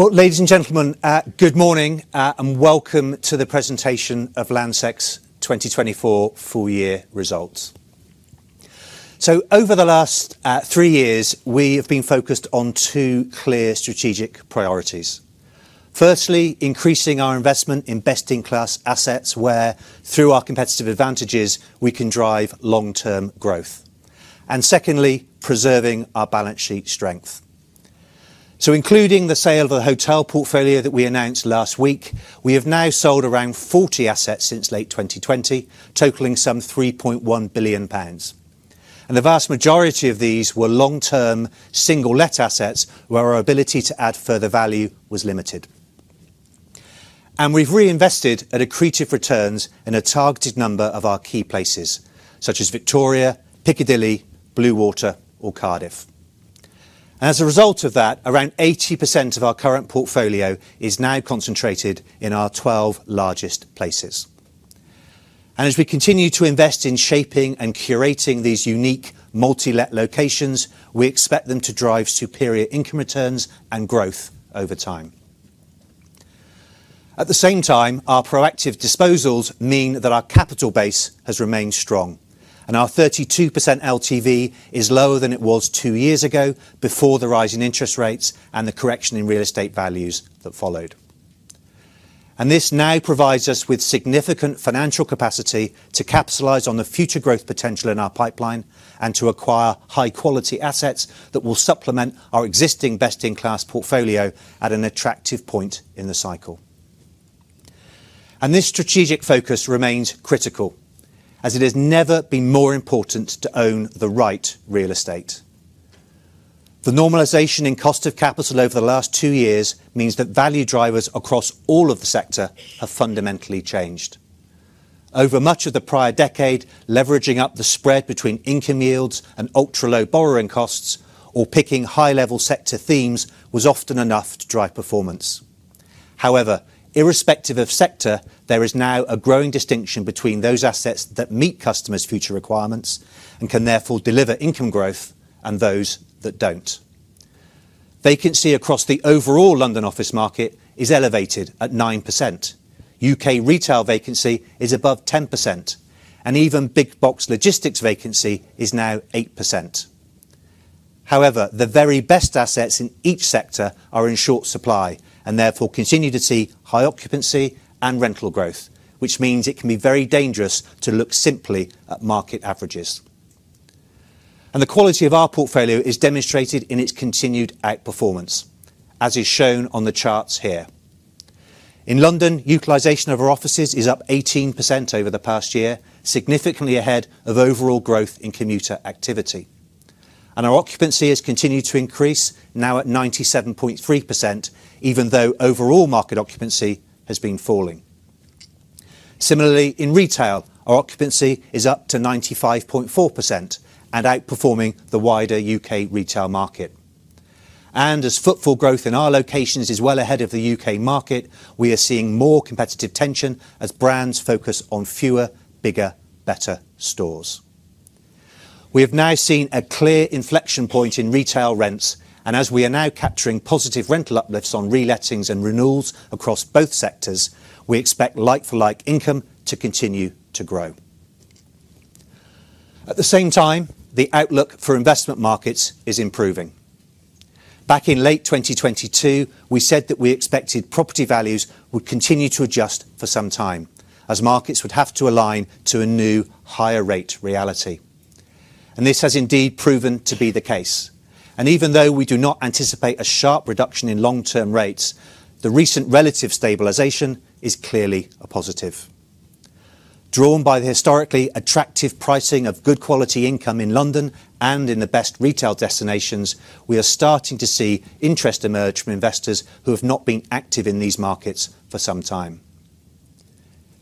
Well, ladies and gentlemen, good morning, and welcome to the presentation of Landsec's 2024 Full Year Results. So over the last three years, we have been focused on two clear strategic priorities. Firstly, increasing our investment in best-in-class assets, where through our competitive advantages, we can drive long-term growth, and secondly, preserving our balance sheet strength. So including the sale of the hotel portfolio that we announced last week, we have now sold around 40 assets since late 2020, totaling some 3.1 billion pounds, and the vast majority of these were long-term, single-let assets, where our ability to add further value was limited. And we've reinvested at accretive returns in a targeted number of our key places, such as Victoria, Piccadilly, Bluewater or Cardiff. As a result of that, around 80% of our current portfolio is now concentrated in our 12 largest places. As we continue to invest in shaping and curating these unique multi-let locations, we expect them to drive superior income returns and growth over time. At the same time, our proactive disposals mean that our capital base has remained strong, and our 32% LTV is lower than it was two years ago, before the rise in interest rates and the correction in real estate values that followed. This now provides us with significant financial capacity to capitalize on the future growth potential in our pipeline and to acquire high-quality assets that will supplement our existing best-in-class portfolio at an attractive point in the cycle. This strategic focus remains critical, as it has never been more important to own the right real estate. The normalization in cost of capital over the last two years means that value drivers across all of the sector have fundamentally changed. Over much of the prior decade, leveraging up the spread between income yields and ultra-low borrowing costs, or picking high-level sector themes, was often enough to drive performance. However, irrespective of sector, there is now a growing distinction between those assets that meet customers' future requirements and can therefore deliver income growth, and those that don't. Vacancy across the overall London office market is elevated at 9%. UK retail vacancy is above 10%, and even big box logistics vacancy is now 8%. However, the very best assets in each sector are in short supply and therefore continue to see high occupancy and rental growth, which means it can be very dangerous to look simply at market averages. The quality of our portfolio is demonstrated in its continued outperformance, as is shown on the charts here. In London, utilization of our offices is up 18% over the past year, significantly ahead of overall growth in commuter activity. Our occupancy has continued to increase, now at 97.3%, even though overall market occupancy has been falling. Similarly, in retail, our occupancy is up to 95.4% and outperforming the wider UK retail market. As footfall growth in our locations is well ahead of the UK market, we are seeing more competitive tension as brands focus on fewer, bigger, better stores. We have now seen a clear inflection point in retail rents, and as we are now capturing positive rental uplifts on relettings and renewals across both sectors, we expect like-for-like income to continue to grow. At the same time, the outlook for investment markets is improving. Back in late 2022, we said that we expected property values would continue to adjust for some time as markets would have to align to a new higher rate reality, and this has indeed proven to be the case. And even though we do not anticipate a sharp reduction in long-term rates, the recent relative stabilization is clearly a positive. Drawn by the historically attractive pricing of good quality income in London and in the best retail destinations, we are starting to see interest emerge from investors who have not been active in these markets for some time.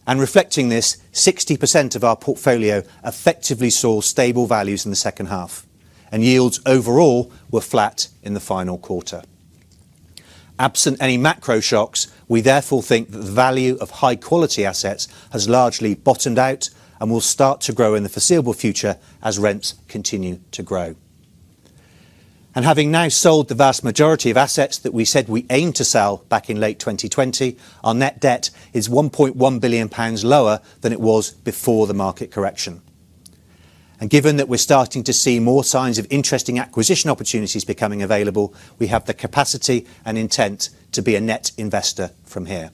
And reflecting this, 60% of our portfolio effectively saw stable values in the second half, and yields overall were flat in the final quarter. Absent any macro shocks, we therefore think that the value of high quality assets has largely bottomed out and will start to grow in the foreseeable future as rents continue to grow. Having now sold the vast majority of assets that we said we aimed to sell back in late 2020, our net debt is 1.1 billion pounds lower than it was before the market correction. Given that we're starting to see more signs of interesting acquisition opportunities becoming available, we have the capacity and intent to be a net investor from here.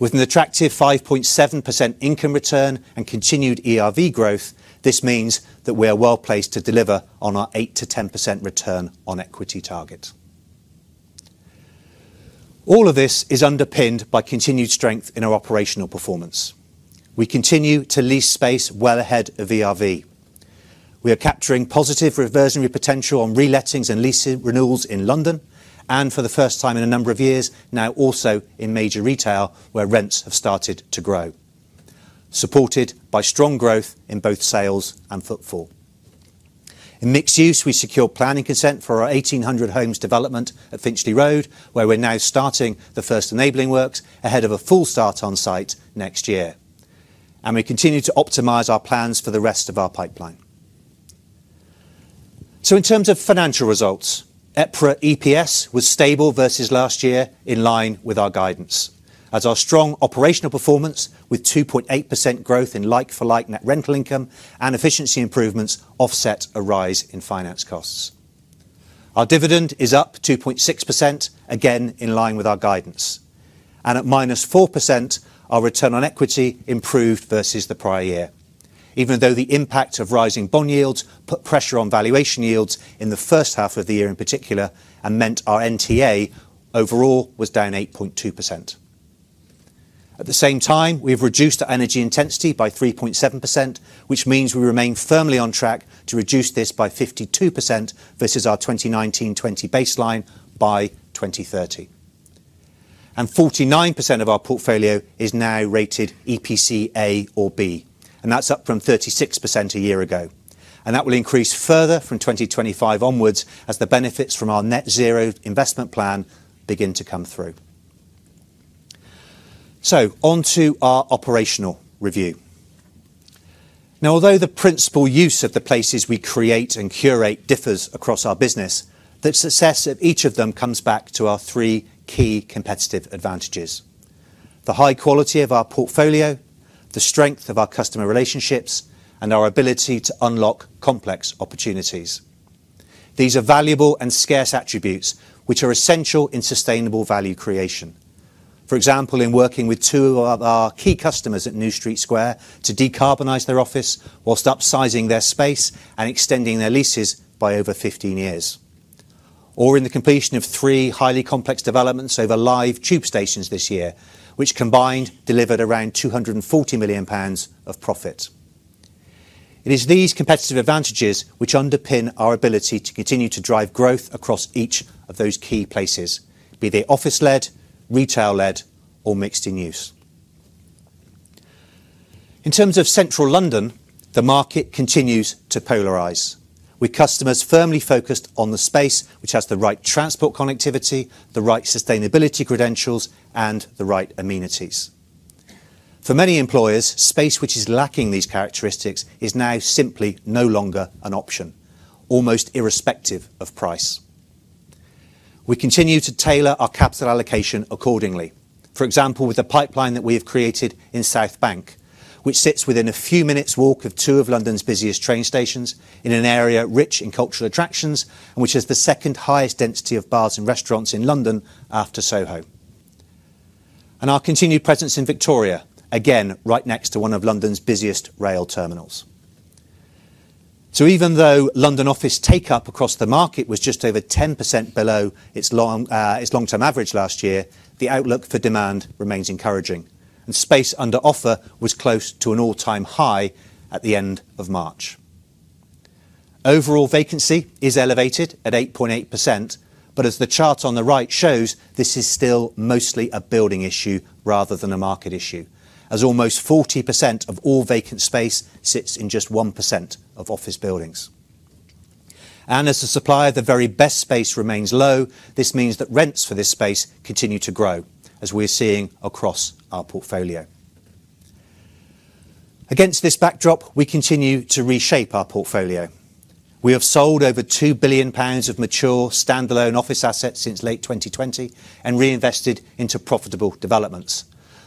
With an attractive 5.7% income return and continued ERV growth, this means that we are well placed to deliver on our 8%-10% return on equity target. All of this is underpinned by continued strength in our operational performance. We continue to lease space well ahead of ERV. We are capturing positive reversionary potential on relettings and leasing renewals in London, and for the first time in a number of years, now also in major retail, where rents have started to grow, supported by strong growth in both sales and footfall. In mixed use, we secure planning consent for our 1,800 homes development at Finchley Road, where we're now starting the first enabling works ahead of a full start on site next year, and we continue to optimize our plans for the rest of our pipeline. In terms of financial results, EPRA EPS was stable versus last year, in line with our guidance, as our strong operational performance, with 2.8% growth in like-for-like net rental income and efficiency improvements offset a rise in finance costs. Our dividend is up 2.6%, again, in line with our guidance. At -4%, our return on equity improved versus the prior year, even though the impact of rising bond yields put pressure on valuation yields in the first half of the year in particular, and meant our NTA overall was down 8.2%. At the same time, we've reduced our energy intensity by 3.7%, which means we remain firmly on track to reduce this by 52% versus our 2019-20 baseline by 2030. Forty-nine percent of our portfolio is now rated EPC A or B, and that's up from 36% a year ago. And that will increase further from 2025 onwards, as the benefits from our net zero investment plan begin to come through. So on to our operational review. Now, although the principal use of the places we create and curate differs across our business, the success of each of them comes back to our three key competitive advantages: the high quality of our portfolio, the strength of our customer relationships, and our ability to unlock complex opportunities. These are valuable and scarce attributes, which are essential in sustainable value creation. For example, in working with two of our key customers at New Street Square to decarbonize their office while upsizing their space and extending their leases by over 15 years, or in the completion of three highly complex developments over live tube stations this year, which combined delivered around 240 million pounds of profit. It is these competitive advantages which underpin our ability to continue to drive growth across each of those key places, be they office-led, retail-led, or mixed in use. In terms of central London, the market continues to polarize, with customers firmly focused on the space, which has the right transport connectivity, the right sustainability credentials, and the right amenities. For many employers, space which is lacking these characteristics is now simply no longer an option, almost irrespective of price. We continue to tailor our capital allocation accordingly. For example, with the pipeline that we have created in South Bank, which sits within a few minutes walk of two of London's busiest train stations, in an area rich in cultural attractions, and which has the second highest density of bars and restaurants in London, after Soho. Our continued presence in Victoria, again, right next to one of London's busiest rail terminals. So even though London office take-up across the market was just over 10% below its long-term average last year, the outlook for demand remains encouraging, and space under offer was close to an all-time high at the end of March. Overall vacancy is elevated at 8.8%, but as the chart on the right shows, this is still mostly a building issue rather than a market issue, as almost 40% of all vacant space sits in just 1% of office buildings. And as the supply of the very best space remains low, this means that rents for this space continue to grow, as we're seeing across our portfolio. Against this backdrop, we continue to reshape our portfolio. We have sold over 2 billion pounds of mature standalone office assets since late 2020, and reinvested into profitable developments,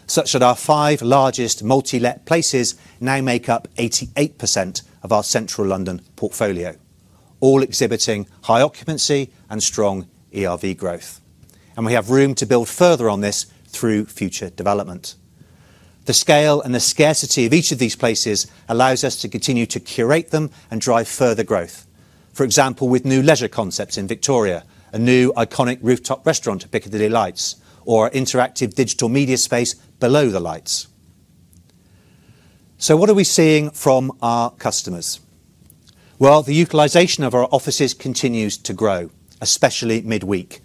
such that our 5 largest multi-let places now make up 88% of our central London portfolio, all exhibiting high occupancy and strong ERV growth, and we have room to build further on this through future development. The scale and the scarcity of each of these places allows us to continue to curate them and drive further growth. For example, with new leisure concepts in Victoria, a new iconic rooftop restaurant at Piccadilly Lights, or interactive digital media space below the lights. So what are we seeing from our customers? Well, the utilization of our offices continues to grow, especially midweek.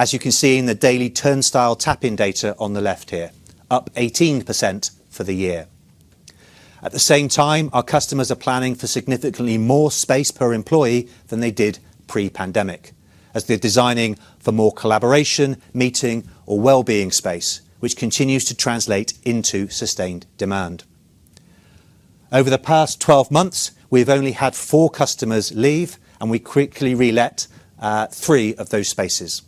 As you can see in the daily turnstile tap-in data on the left here, up 18% for the year. At the same time, our customers are planning for significantly more space per employee than they did pre-pandemic, as they're designing for more collaboration, meeting, or well-being space, which continues to translate into sustained demand. Over the past 12 months, we've only had four customers leave, and we quickly relet three of those spaces.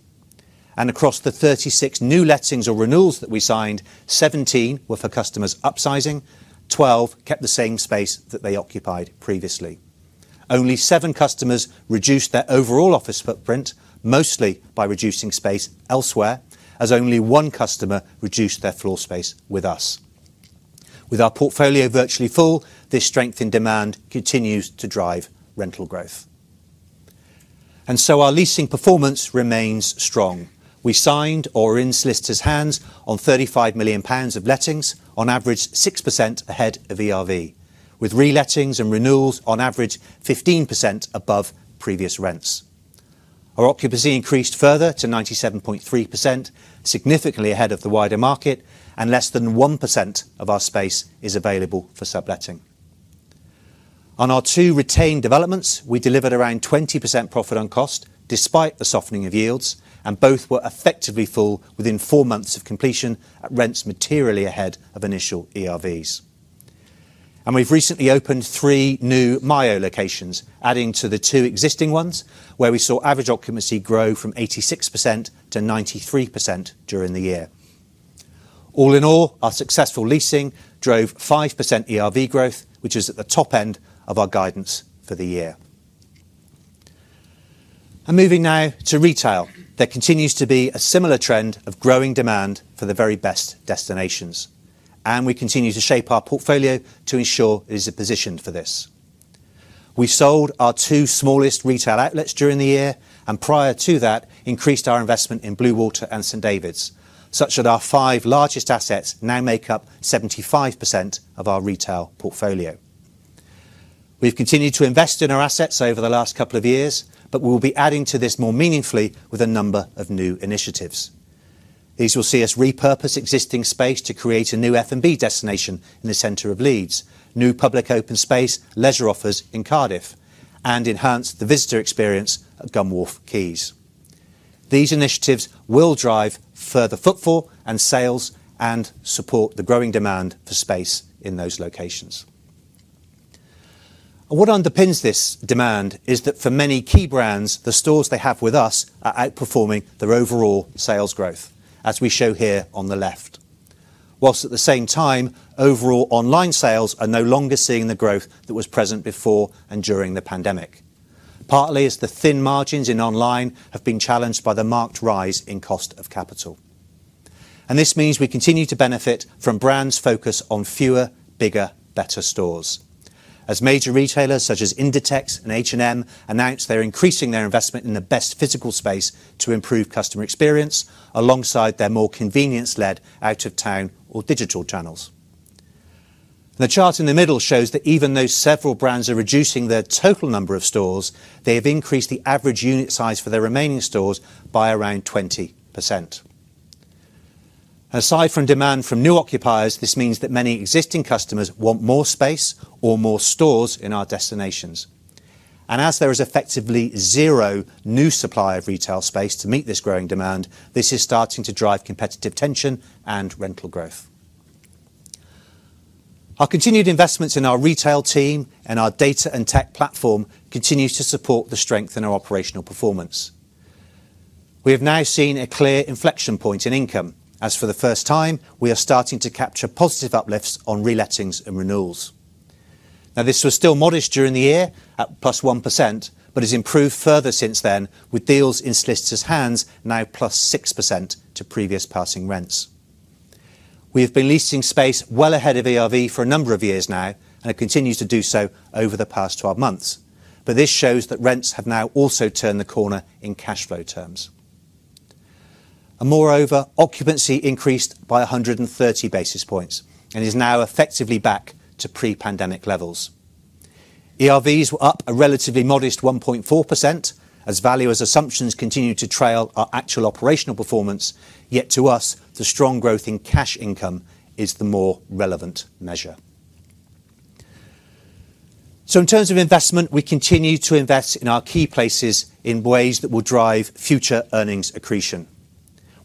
And across the 36 new lettings or renewals that we signed, 17 were for customers upsizing, 12 kept the same space that they occupied previously. Only seven customers reduced their overall office footprint, mostly by reducing space elsewhere, as only one customer reduced their floor space with us. With our portfolio virtually full, this strength in demand continues to drive rental growth. And so our leasing performance remains strong. We signed or are in solicitor's hands on 35 million pounds of lettings, on average, 6% ahead of ERV, with relettings and renewals on average 15% above previous rents. Our occupancy increased further to 97.3%, significantly ahead of the wider market, and less than 1% of our space is available for subletting. On our two retained developments, we delivered around 20% profit on cost, despite the softening of yields, and both were effectively full within 4 months of completion at rents materially ahead of initial ERVs. We've recently opened 3 new Myo locations, adding to the 2 existing ones, where we saw average occupancy grow from 86% to 93% during the year. All in all, our successful leasing drove 5% ERV growth, which is at the top end of our guidance for the year. I'm moving now to retail. There continues to be a similar trend of growing demand for the very best destinations, and we continue to shape our portfolio to ensure it is positioned for this. We sold our 2 smallest retail outlets during the year, and prior to that, increased our investment in Bluewater and St David's, such that our 5 largest assets now make up 75% of our retail portfolio. We've continued to invest in our assets over the last couple of years, but we'll be adding to this more meaningfully with a number of new initiatives. These will see us repurpose existing space to create a new F&B destination in the center of Leeds, new public open space, leisure offers in Cardiff, and enhance the visitor experience at Gunwharf Quays. These initiatives will drive further footfall and sales, and support the growing demand for space in those locations. What underpins this demand is that for many key brands, the stores they have with us are outperforming their overall sales growth, as we show here on the left. While at the same time, overall online sales are no longer seeing the growth that was present before and during the pandemic, partly as the thin margins in online have been challenged by the marked rise in cost of capital. And this means we continue to benefit from brands' focus on fewer, bigger, better stores. As major retailers such as Inditex and H&M announce they're increasing their investment in the best physical space to improve customer experience, alongside their more convenience-led out-of-town or digital channels. The chart in the middle shows that even though several brands are reducing their total number of stores, they have increased the average unit size for their remaining stores by around 20%. Aside from demand from new occupiers, this means that many existing customers want more space or more stores in our destinations. As there is effectively zero new supply of retail space to meet this growing demand, this is starting to drive competitive tension and rental growth. Our continued investments in our retail team and our data and tech platform continues to support the strength in our operational performance. We have now seen a clear inflection point in income, as for the first time, we are starting to capture positive uplifts on relettings and renewals. Now, this was still modest during the year at +1%, but has improved further since then, with deals in solicitors' hands now +6% to previous passing rents. We have been leasing space well ahead of ERV for a number of years now, and it continues to do so over the past 12 months. But this shows that rents have now also turned the corner in cash flow terms. And moreover, occupancy increased by 100 basis points and is now effectively back to pre-pandemic levels. ERVs were up a relatively modest 1.4%, as valuers' assumptions continue to trail our actual operational performance. Yet to us, the strong growth in cash income is the more relevant measure. So in terms of investment, we continue to invest in our key places in ways that will drive future earnings accretion.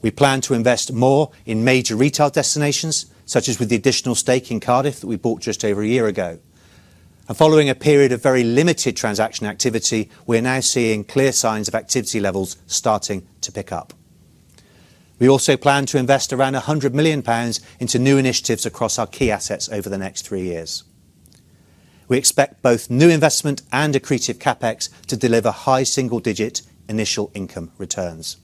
We plan to invest more in major retail destinations, such as with the additional stake in Cardiff that we bought just over a year ago. Following a period of very limited transaction activity, we're now seeing clear signs of activity levels starting to pick up. We also plan to invest around 100 million pounds into new initiatives across our key assets over the next three years. We expect both new investment and accretive CapEx to deliver high single-digit initial income returns.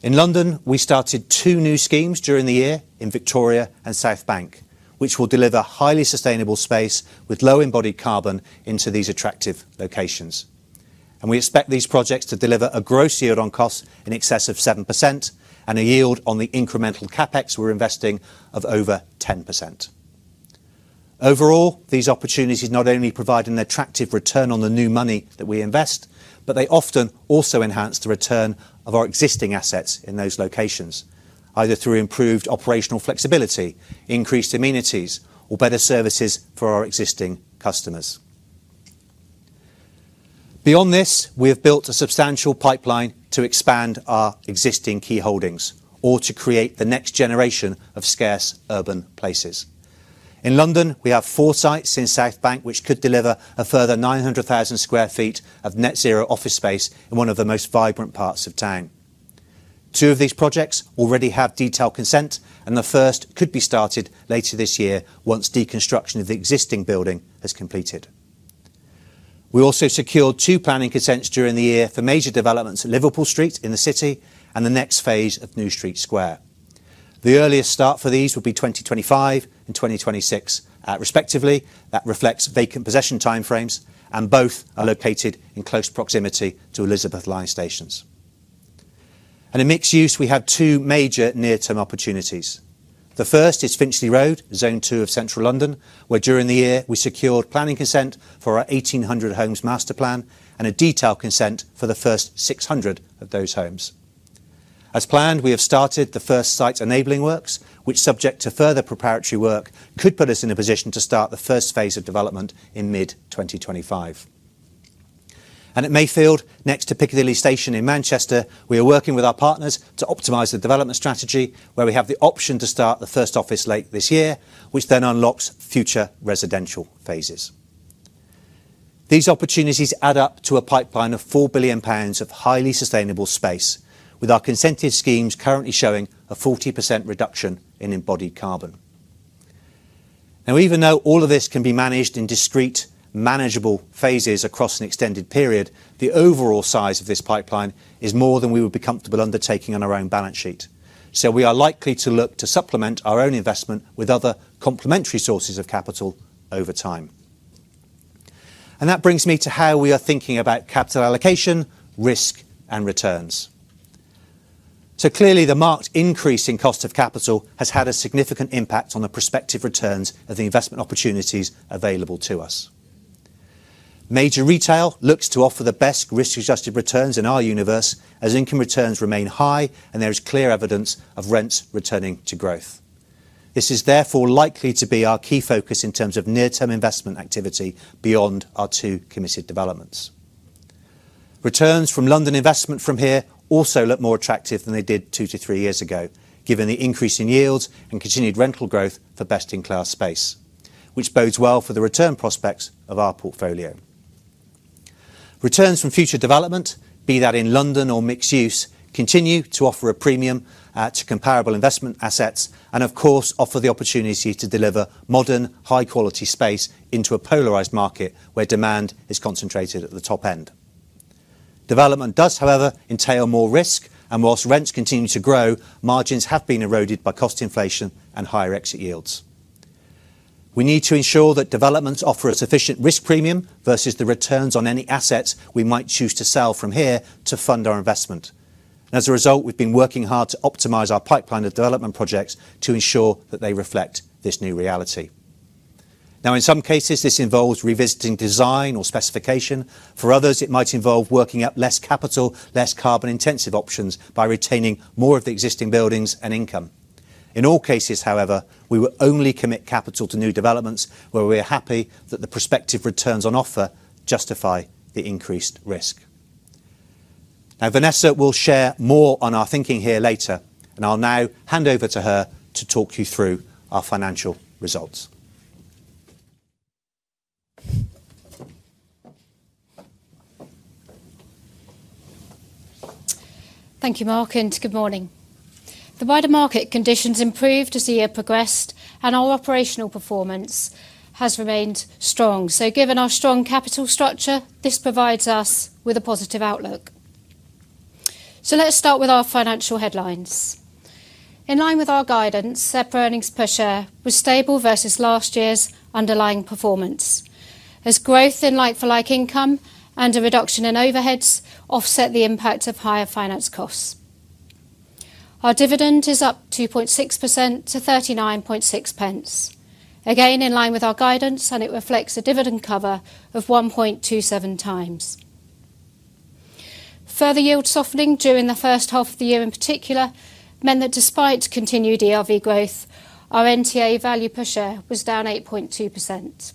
In London, we started two new schemes during the year in Victoria and South Bank, which will deliver highly sustainable space with low embodied carbon into these attractive locations. We expect these projects to deliver a gross yield on cost in excess of 7% and a yield on the incremental CapEx we're investing of over 10%. Overall, these opportunities not only provide an attractive return on the new money that we invest, but they often also enhance the return of our existing assets in those locations, either through improved operational flexibility, increased amenities, or better services for our existing customers. Beyond this, we have built a substantial pipeline to expand our existing key holdings or to create the next generation of scarce urban places. In London, we have four sites in South Bank, which could deliver a further 900,000 sq ft of Net Zero office space in one of the most vibrant parts of town. Two of these projects already have detailed consent, and the first could be started later this year once deconstruction of the existing building is completed. We also secured 2 planning consents during the year for major developments at Liverpool Street in the City and the next phase of New Street Square. The earliest start for these will be 2025 and 2026, respectively. That reflects vacant possession time frames, and both are located in close proximity to Elizabeth line stations. In mixed use, we have 2 major near-term opportunities. The first is Finchley Road, Zone 2 of Central London, where during the year we secured planning consent for our 1,800 homes master plan and a detailed consent for the first 600 of those homes. As planned, we have started the first site's enabling works, which, subject to further preparatory work, could put us in a position to start the first phase of development in mid-2025. At Mayfield, next to Piccadilly Station in Manchester, we are working with our partners to optimize the development strategy, where we have the option to start the first office late this year, which then unlocks future residential phases. These opportunities add up to a pipeline of 4 billion pounds of highly sustainable space, with our consented schemes currently showing a 40% reduction in embodied carbon. Now, even though all of this can be managed in discrete, manageable phases across an extended period, the overall size of this pipeline is more than we would be comfortable undertaking on our own balance sheet. We are likely to look to supplement our own investment with other complementary sources of capital over time. That brings me to how we are thinking about capital allocation, risk, and returns. So clearly, the marked increase in cost of capital has had a significant impact on the prospective returns of the investment opportunities available to us. Major retail looks to offer the best risk-adjusted returns in our universe, as income returns remain high and there is clear evidence of rents returning to growth. This is therefore likely to be our key focus in terms of near-term investment activity beyond our two committed developments. Returns from London investment from here also look more attractive than they did 2-3 years ago, given the increase in yields and continued rental growth for best-in-class space, which bodes well for the return prospects of our portfolio. Returns from future development, be that in London or mixed use, continue to offer a premium to comparable investment assets, and of course, offer the opportunity to deliver modern, high-quality space into a polarized market, where demand is concentrated at the top end. Development does, however, entail more risk, and while rents continue to grow, margins have been eroded by cost inflation and higher exit yields. We need to ensure that developments offer a sufficient risk premium versus the returns on any assets we might choose to sell from here to fund our investment. As a result, we've been working hard to optimize our pipeline of development projects to ensure that they reflect this new reality. Now, in some cases, this involves revisiting design or specification. For others, it might involve working out less capital, less carbon-intensive options by retaining more of the existing buildings and income. In all cases, however, we will only commit capital to new developments where we are happy that the prospective returns on offer justify the increased risk. Now, Vanessa will share more on our thinking here later, and I'll now hand over to her to talk you through our financial results. Thank you, Mark, and good morning. The wider market conditions improved as the year progressed, and our operational performance has remained strong. Given our strong capital structure, this provides us with a positive outlook. Let's start with our financial headlines. In line with our guidance, EPRA earnings per share was stable versus last year's underlying performance, as growth in like-for-like income and a reduction in overheads offset the impact of higher finance costs. Our dividend is up 2.6% to 39.6 pence. Again, in line with our guidance, and it reflects a dividend cover of 1.27 times. Further yield softening during the first half of the year, in particular, meant that despite continued ERV growth, our NTA value per share was down 8.2%.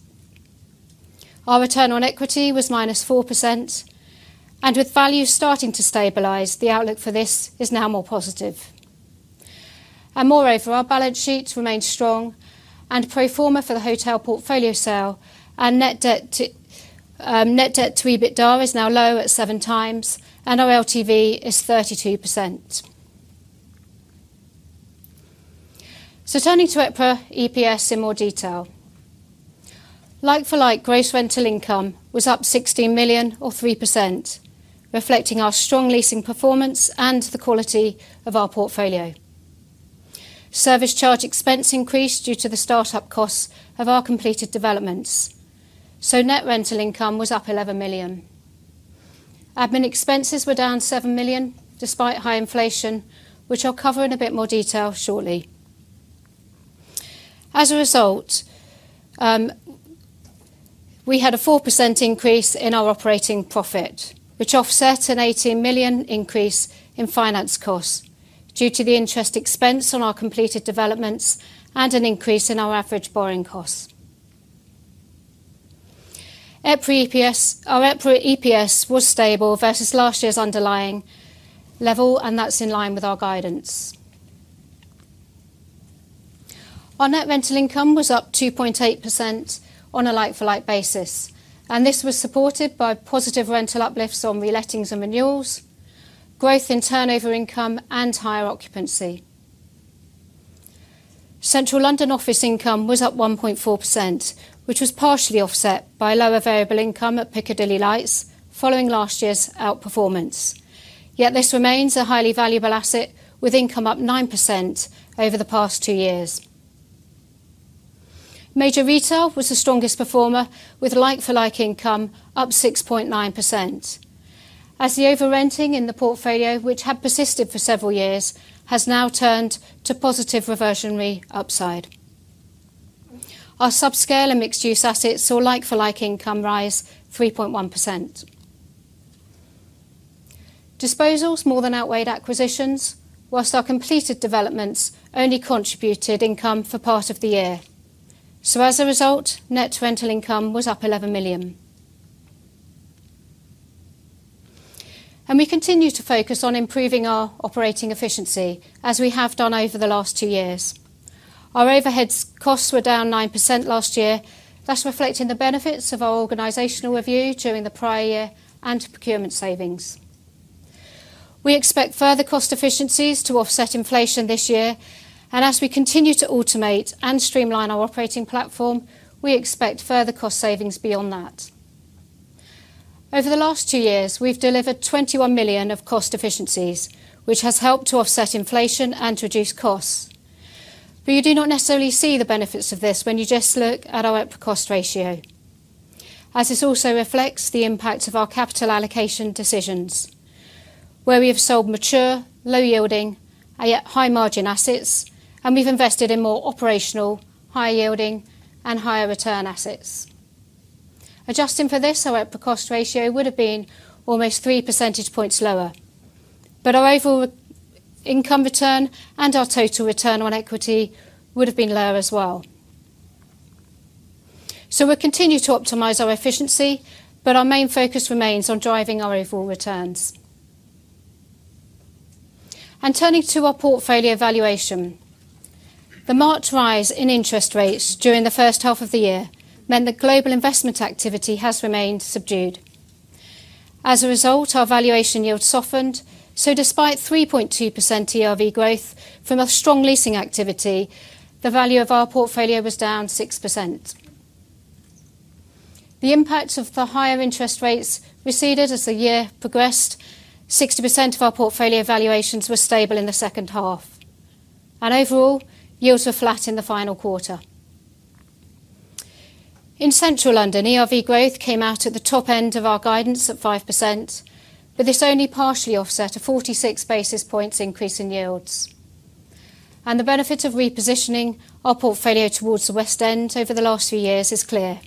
Our return on equity was -4%, and with value starting to stabilize, the outlook for this is now more positive. And moreover, our balance sheet remains strong, and pro forma for the hotel portfolio sale and net debt to net debt to EBITDA is now low at 7x, and our LTV is 32%. So turning to EPRA EPS in more detail. Like-for-like gross rental income was up 16 million or 3%, reflecting our strong leasing performance and the quality of our portfolio. Service charge expense increased due to the start-up costs of our completed developments, so net rental income was up 11 million. Admin expenses were down 7 million, despite high inflation, which I'll cover in a bit more detail shortly. As a result, we had a 4% increase in our operating profit, which offset a 18 million increase in finance costs due to the interest expense on our completed developments and an increase in our average borrowing costs. EPRA EPS, our EPRA EPS was stable versus last year's underlying level, and that's in line with our guidance. Our net rental income was up 2.8% on a like-for-like basis, and this was supported by positive rental uplifts on relettings and renewals, growth in turnover income, and higher occupancy. Central London office income was up 1.4%, which was partially offset by lower variable income at Piccadilly Lights following last year's outperformance. Yet this remains a highly valuable asset, with income up 9% over the past two years. Major retail was the strongest performer, with like-for-like income up 6.9%, as the over-renting in the portfolio, which had persisted for several years, has now turned to positive reversionary upside. Our subscale and mixed-use assets saw like-for-like income rise 3.1%. Disposals more than outweighed acquisitions, while our completed developments only contributed income for part of the year. So as a result, net rental income was up GBP 11 million. And we continue to focus on improving our operating efficiency, as we have done over the last two years. Our overhead costs were down 9% last year. That's reflecting the benefits of our organizational review during the prior year, and procurement savings. We expect further cost efficiencies to offset inflation this year, and as we continue to automate and streamline our operating platform, we expect further cost savings beyond that. Over the last 2 years, we've delivered 21 million of cost efficiencies, which has helped to offset inflation and to reduce costs. But you do not necessarily see the benefits of this when you just look at our OpEx cost ratio, as this also reflects the impact of our capital allocation decisions, where we have sold mature, low-yielding, and yet high-margin assets, and we've invested in more operational, high-yielding, and higher return assets. Adjusting for this, our OpEx cost ratio would have been almost three percentage points lower. But our overall income return and our total return on equity would have been lower as well. So we'll continue to optimize our efficiency, but our main focus remains on driving our overall returns. Turning to our portfolio valuation. The March rise in interest rates during the first half of the year meant that global investment activity has remained subdued. As a result, our valuation yields softened, so despite 3.2% ERV growth from our strong leasing activity, the value of our portfolio was down 6%. The impact of the higher interest rates receded as the year progressed. 60% of our portfolio valuations were stable in the second half, and overall, yields were flat in the final quarter. In central London, ERV growth came out at the top end of our guidance at 5%, but this only partially offset a 46 basis points increase in yields. The benefit of repositioning our portfolio towards the West End over the last few years is clear,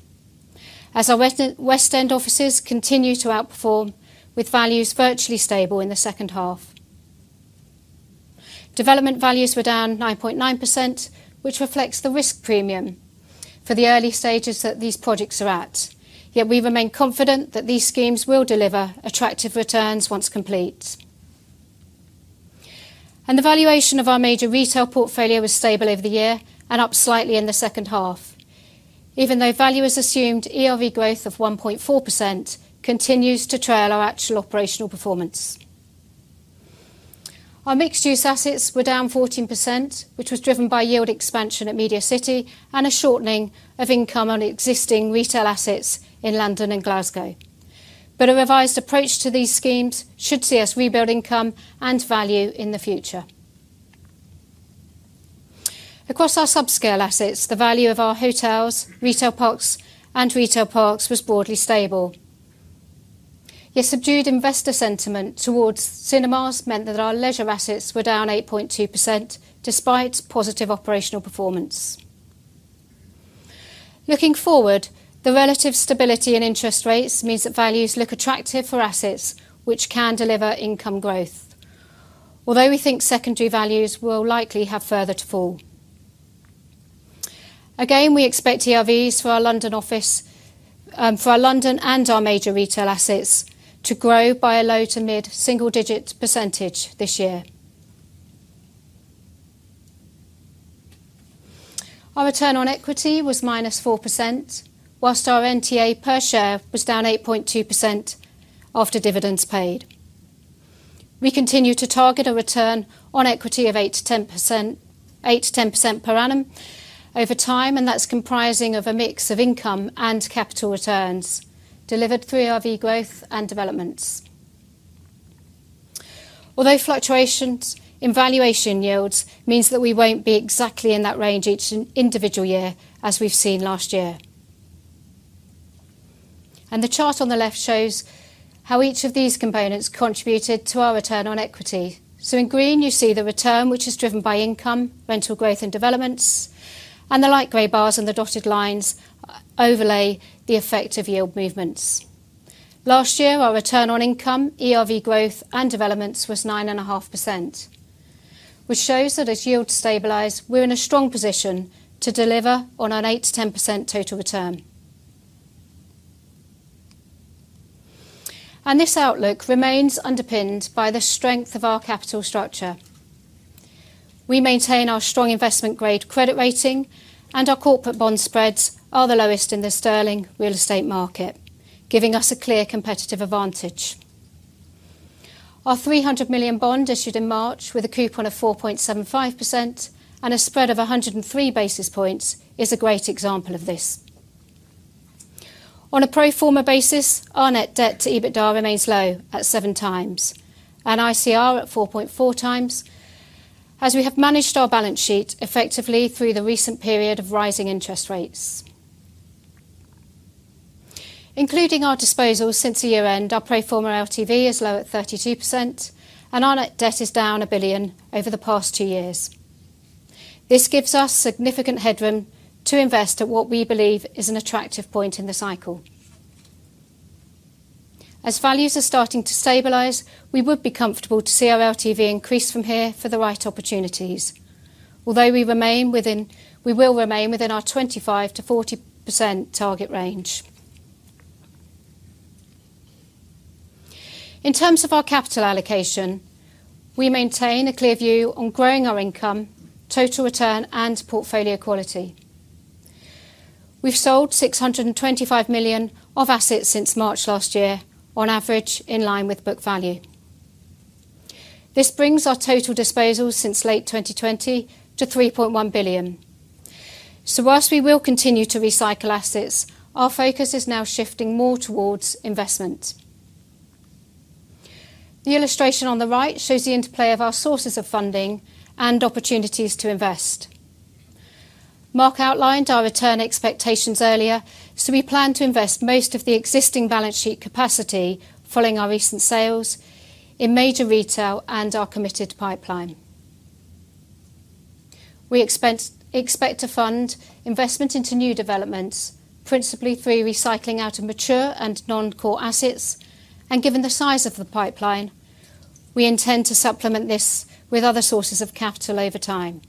as our West End offices continue to outperform, with values virtually stable in the second half. Development values were down 9.9%, which reflects the risk premium for the early stages that these projects are at. Yet we remain confident that these schemes will deliver attractive returns once complete. And the valuation of our major retail portfolio was stable over the year and up slightly in the second half, even though value has assumed ERV growth of 1.4% continues to trail our actual operational performance. Our mixed-use assets were down 14%, which was driven by yield expansion at MediaCity and a shortening of income on existing retail assets in London and Glasgow. But a revised approach to these schemes should see us rebuild income and value in the future. Across our sub-scale assets, the value of our hotels, retail parks, and retail parks was broadly stable. Yet subdued investor sentiment towards cinemas meant that our leisure assets were down 8.2%, despite positive operational performance. Looking forward, the relative stability in interest rates means that values look attractive for assets which can deliver income growth, although we think secondary values will likely have further to fall. Again, we expect ERVs for our London office, for our London and our major retail assets to grow by a low- to mid-single-digit % this year. Our return on equity was -4%, while our NTA per share was down 8.2% after dividends paid. We continue to target a return on equity of 8%-10%, 8%-10% per annum over time, and that's comprising of a mix of income and capital returns delivered through ERV growth and developments. Although fluctuations in valuation yields means that we won't be exactly in that range each individual year, as we've seen last year. The chart on the left shows how each of these components contributed to our return on equity. In green, you see the return, which is driven by income, rental growth, and developments, and the light gray bars and the dotted lines overlay the effect of yield movements. Last year, our return on income, ERV growth, and developments was 9.5%, which shows that as yields stabilize, we're in a strong position to deliver on an 8%-10% total return. This outlook remains underpinned by the strength of our capital structure. We maintain our strong investment-grade credit rating, and our corporate bond spreads are the lowest in the sterling real estate market, giving us a clear competitive advantage. Our 300 million bond issued in March with a coupon of 4.75% and a spread of 103 basis points is a great example of this. On a pro forma basis, our net debt to EBITDA remains low at 7x, and ICR at 4.4x, as we have managed our balance sheet effectively through the recent period of rising interest rates. Including our disposals since the year-end, our pro forma LTV is low at 32%, and our net debt is down 1 billion over the past two years. This gives us significant headroom to invest at what we believe is an attractive point in the cycle. As values are starting to stabilize, we would be comfortable to see our LTV increase from here for the right opportunities. Although we remain within, we will remain within our 25%-40% target range. In terms of our capital allocation, we maintain a clear view on growing our income, total return, and portfolio quality. We've sold 625 million of assets since March last year, on average, in line with book value. This brings our total disposals since late 2020 to 3.1 billion. So while we will continue to recycle assets, our focus is now shifting more towards investment. The illustration on the right shows the interplay of our sources of funding and opportunities to invest. Mark outlined our return expectations earlier, so we plan to invest most of the existing balance sheet capacity, following our recent sales, in major retail and our committed pipeline. We expect to fund investment into new developments, principally through recycling out of mature and non-core assets, and given the size of the pipeline, we intend to supplement this with other sources of capital over time.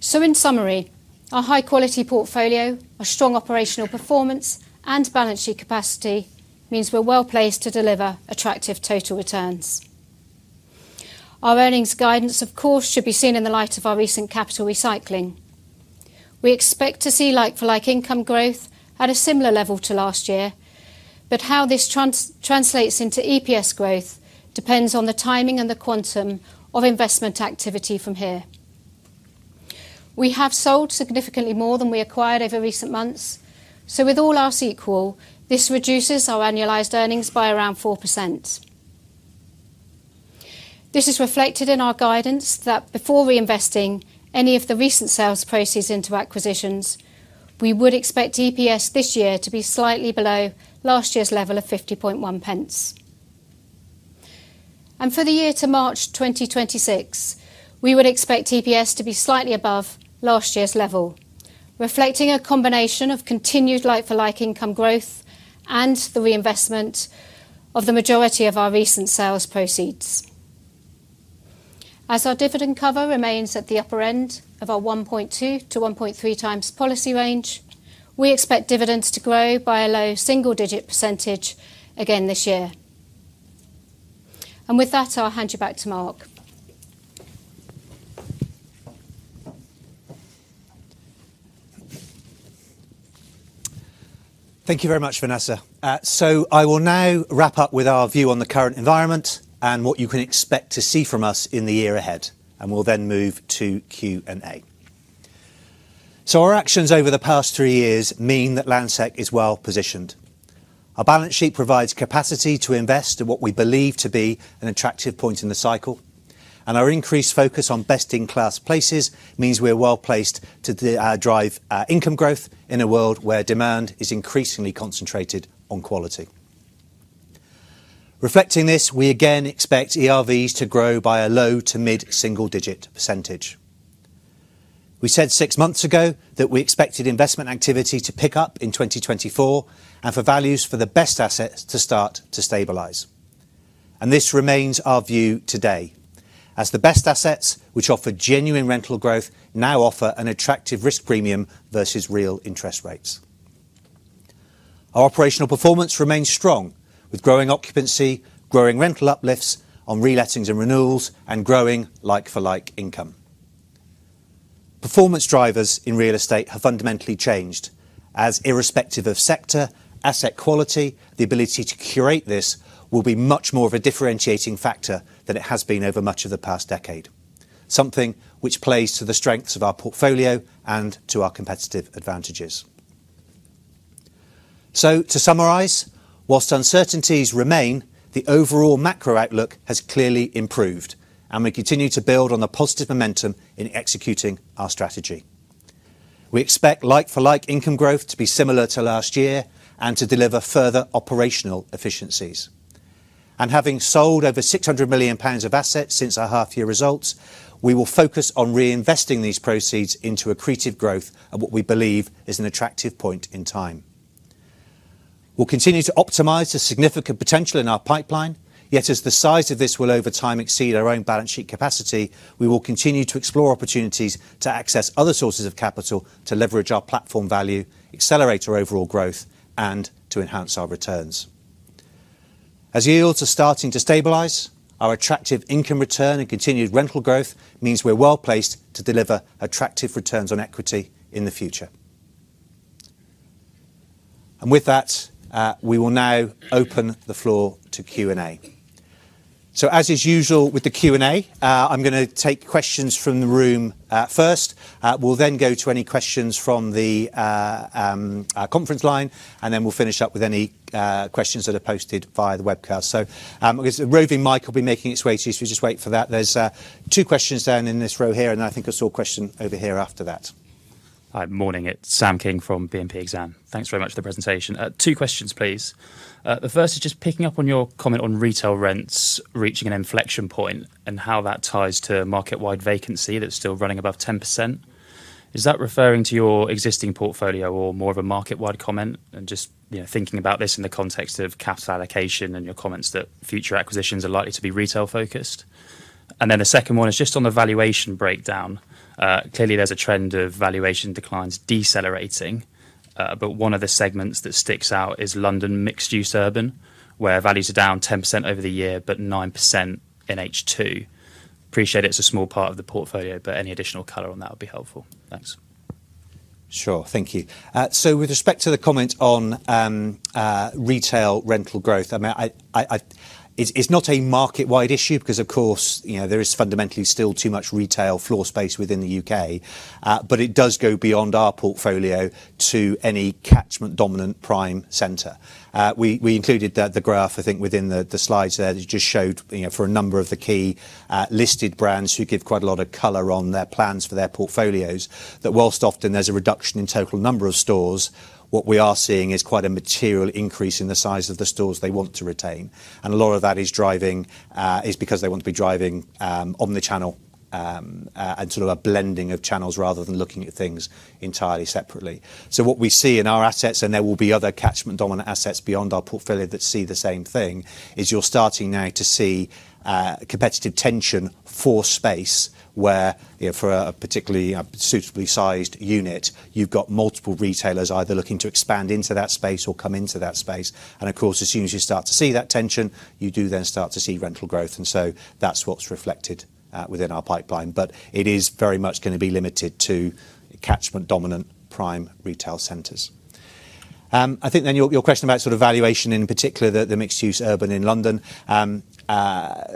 So in summary, our high quality portfolio, our strong operational performance, and balance sheet capacity means we're well-placed to deliver attractive total returns. Our earnings guidance, of course, should be seen in the light of our recent capital recycling. We expect to see like-for-like income growth at a similar level to last year, but how this translates into EPS growth depends on the timing and the quantum of investment activity from here. We have sold significantly more than we acquired over recent months, so with all else equal, this reduces our annualized earnings by around 4%. This is reflected in our guidance that before reinvesting any of the recent sales proceeds into acquisitions, we would expect EPS this year to be slightly below last year's level of 0.501. For the year to March 2026, we would expect EPS to be slightly above last year's level, reflecting a combination of continued like-for-like income growth and the reinvestment of the majority of our recent sales proceeds. As our dividend cover remains at the upper end of our 1.2x-1.3x policy range, we expect dividends to grow by a low single-digit % again this year. With that, I'll hand you back to Mark. Thank you very much, Vanessa. I will now wrap up with our view on the current environment and what you can expect to see from us in the year ahead, and we'll then move to Q&A. Our actions over the past three years mean that Landsec is well positioned. Our balance sheet provides capacity to invest at what we believe to be an attractive point in the cycle, and our increased focus on best-in-class places means we are well placed to drive income growth in a world where demand is increasingly concentrated on quality. Reflecting this, we again expect ERVs to grow by a low- to mid-single-digit percentage. We said six months ago that we expected investment activity to pick up in 2024, and for values for the best assets to start to stabilize, and this remains our view today, as the best assets, which offer genuine rental growth, now offer an attractive risk premium versus real interest rates. Our operational performance remains strong, with growing occupancy, growing rental uplifts on relettings and renewals, and growing like-for-like income. Performance drivers in real estate have fundamentally changed, as irrespective of sector, asset quality, the ability to curate this, will be much more of a differentiating factor than it has been over much of the past decade, something which plays to the strengths of our portfolio and to our competitive advantages. So to summarize, while uncertainties remain, the overall macro outlook has clearly improved, and we continue to build on the positive momentum in executing our strategy. We expect like-for-like income growth to be similar to last year and to deliver further operational efficiencies. And having sold over 600 million pounds of assets since our half year results, we will focus on reinvesting these proceeds into accretive growth at what we believe is an attractive point in time. We'll continue to optimize the significant potential in our pipeline, yet as the size of this will, over time, exceed our own balance sheet capacity, we will continue to explore opportunities to access other sources of capital to leverage our platform value, accelerate our overall growth, and to enhance our returns. As yields are starting to stabilize, our attractive income return and continued rental growth means we're well-placed to deliver attractive returns on equity in the future. And with that, we will now open the floor to Q&A. So as is usual with the Q&A, I'm gonna take questions from the room, first. We'll then go to any questions from the conference line, and then we'll finish up with any questions that are posted via the webcast. So, a roving mic will be making its way to you, so just wait for that. There's two questions down in this row here, and I think I saw a question over here after that. Hi, morning. It's Sam King from BNP Paribas Exane. Thanks very much for the presentation. Two questions, please. The first is just picking up on your comment on retail rents reaching an inflection point, and how that ties to market-wide vacancy that's still running above 10%. Is that referring to your existing portfolio or more of a market-wide comment? I'm just, you know, thinking about this in the context of capital allocation and your comments that future acquisitions are likely to be retail-focused. And then the second one is just on the valuation breakdown. Clearly, there's a trend of valuation declines decelerating, but one of the segments that sticks out is London mixed-use urban, where values are down 10% over the year, but 9% in H2. Appreciate it's a small part of the portfolio, but any additional color on that would be helpful. Thanks. Sure. Thank you. So with respect to the comment on retail rental growth, I mean, it's not a market-wide issue, because, of course, you know, there is fundamentally still too much retail floor space within the UK. But it does go beyond our portfolio to any catchment dominant prime center. We included the graph, I think, within the slides there, that just showed, you know, for a number of the key listed brands, who give quite a lot of color on their plans for their portfolios, that whilst often there's a reduction in the total number of stores, what we are seeing is quite a material increase in the size of the stores they want to retain. And a lot of that is driving, is because they want to be driving on the channel, and sort of a blending of channels, rather than looking at things entirely separately. So what we see in our assets, and there will be other catchment dominant assets beyond our portfolio that see the same thing, is you're starting now to see competitive tension for space, where, you know, for a particularly suitably sized unit, you've got multiple retailers either looking to expand into that space or come into that space. And, of course, as soon as you start to see that tension, you do then start to see rental growth, and so that's what's reflected within our pipeline. But it is very much gonna be limited to catchment dominant prime retail centers. I think then your, your question about sort of valuation, in particular, the, the mixed use urban in London,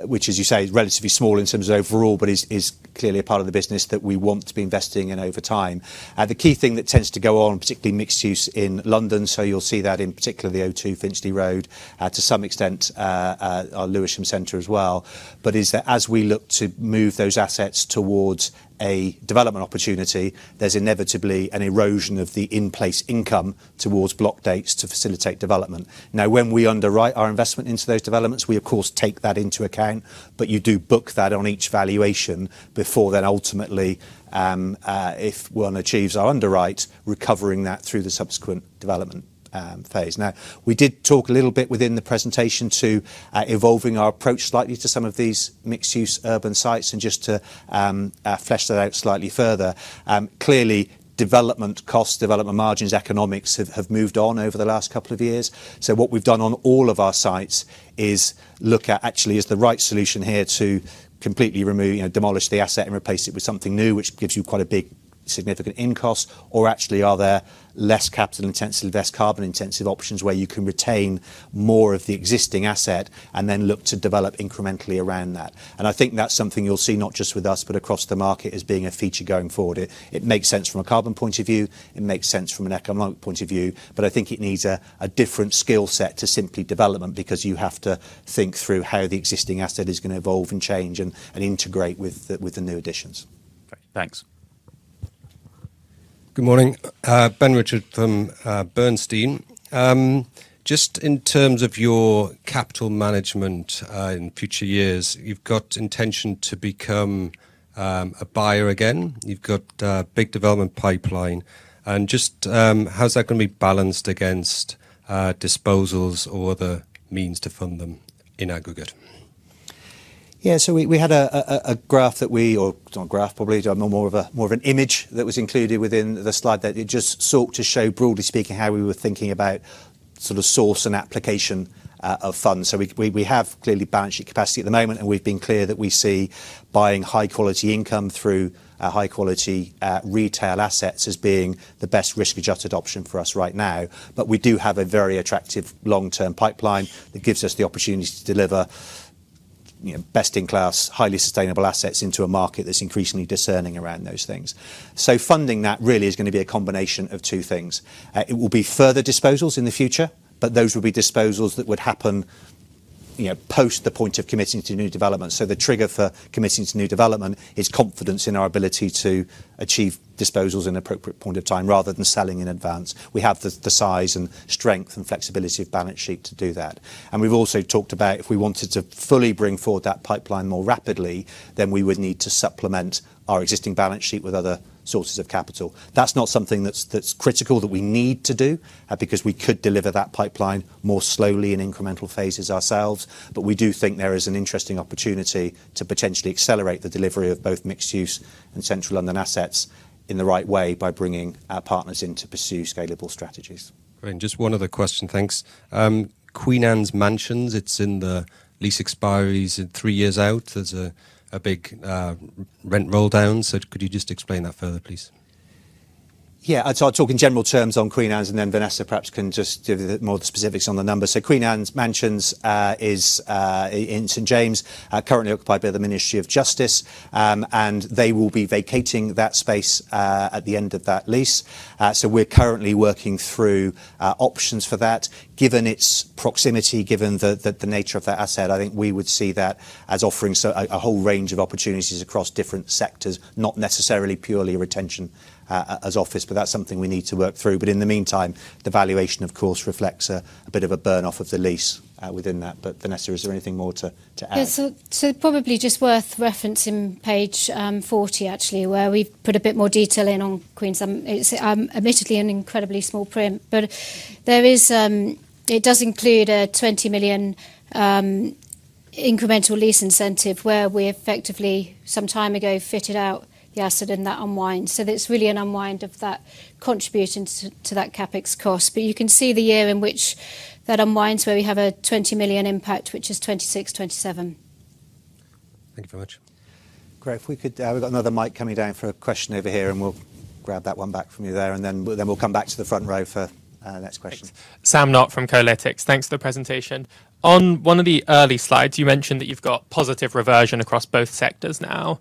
which, as you say, is relatively small in terms of overall, but is, is clearly a part of the business that we want to be investing in over time. The key thing that tends to go on, particularly mixed use in London, so you'll see that in particular the O2 Finchley Road, to some extent, our Lewisham Centre as well, but is that as we look to move those assets towards a development opportunity, there's inevitably an erosion of the in-place income towards block dates to facilitate development. Now, when we underwrite our investment into those developments, we, of course, take that into account, but you do book that on each valuation before then ultimately, if one achieves our underwrite, recovering that through the subsequent development phase. Now, we did talk a little bit within the presentation to evolving our approach slightly to some of these mixed-use urban sites, and just to flesh that out slightly further. Clearly, development costs, development margins, economics, have moved on over the last couple of years. So what we've done on all of our sites is look at, actually, is the right solution here to completely remove, you know, demolish the asset and replace it with something new, which gives you quite a big significant in cost, or actually are there less capital-intensive, less carbon-intensive options, where you can retain more of the existing asset, and then look to develop incrementally around that. I think that's something you'll see, not just with us, but across the market as being a feature going forward. It makes sense from a carbon point of view, it makes sense from an economic point of view, but I think it needs a different skill set to simply development, because you have to think through how the existing asset is gonna evolve and change, and integrate with the new additions. Great. Thanks. Good morning, Ben Richford from Bernstein. Just in terms of your capital management, in future years, you've got intention to become a buyer again. You've got a big development pipeline, and just, how's that gonna be balanced against disposals or other means to fund them in aggregate? Yeah, so we had a graph that we Or not a graph, probably more of an image that was included within the slide that just sought to show, broadly speaking, how we were thinking about sort of source and application of funds. So we have clearly balance sheet capacity at the moment, and we've been clear that we see buying high quality income through high quality retail assets as being the best risk-adjusted option for us right now. But we do have a very attractive long-term pipeline that gives us the opportunity to deliver, you know, best-in-class, highly sustainable assets into a market that's increasingly discerning around those things. So funding that really is gonna be a combination of two things. It will be further disposals in the future, but those will be disposals that would happen, you know, post the point of committing to new development. So the trigger for committing to new development is confidence in our ability to achieve disposals in appropriate point of time, rather than selling in advance. We have the size and strength and flexibility of balance sheet to do that. And we've also talked about if we wanted to fully bring forward that pipeline more rapidly, then we would need to supplement our existing balance sheet with other sources of capital. That's not something that's critical that we need to do, because we could deliver that pipeline more slowly in incremental phases ourselves. But we do think there is an interesting opportunity to potentially accelerate the delivery of both mixed-use and central London assets in the right way by bringing our partners in to pursue scalable strategies. Great. Just one other question, thanks. Queen Anne's Mansions, it's in the lease expiries in three years out. There's a big rent roll down, so could you just explain that further, please? Yeah. I'll talk in general terms on Queen Anne's, and then Vanessa perhaps can just give you the more specifics on the numbers. So Queen Anne's Mansions is in St. James's, currently occupied by the Ministry of Justice. And they will be vacating that space at the end of that lease. So we're currently working through options for that. Given its proximity, given the nature of that asset, I think we would see that as offering a whole range of opportunities across different sectors, not necessarily purely retention as office, but that's something we need to work through. But in the meantime, the valuation, of course, reflects a bit of a burn-off of the lease within that. But Vanessa, is there anything more to add? Yes. So probably just worth referencing page 40, actually, where we've put a bit more detail in on Queen Anne's. It's, admittedly, an incredibly small print, but there is, it does include a 20 million incremental lease incentive where we effectively, some time ago, fitted out the asset and that unwind. So it's really an unwind of that contribution to that CapEx cost. But you can see the year in which that unwinds, where we have a 20 million impact, which is 2026-2027. Thank you very much. Great, if we could, we've got another mic coming down for a question over here, and we'll grab that one back from you there, and then we'll come back to the front row for the next question. Thanks. Sam Cullum from CoStar Group. Thanks for the presentation. On one of the early slides, you mentioned that you've got positive reversion across both sectors now,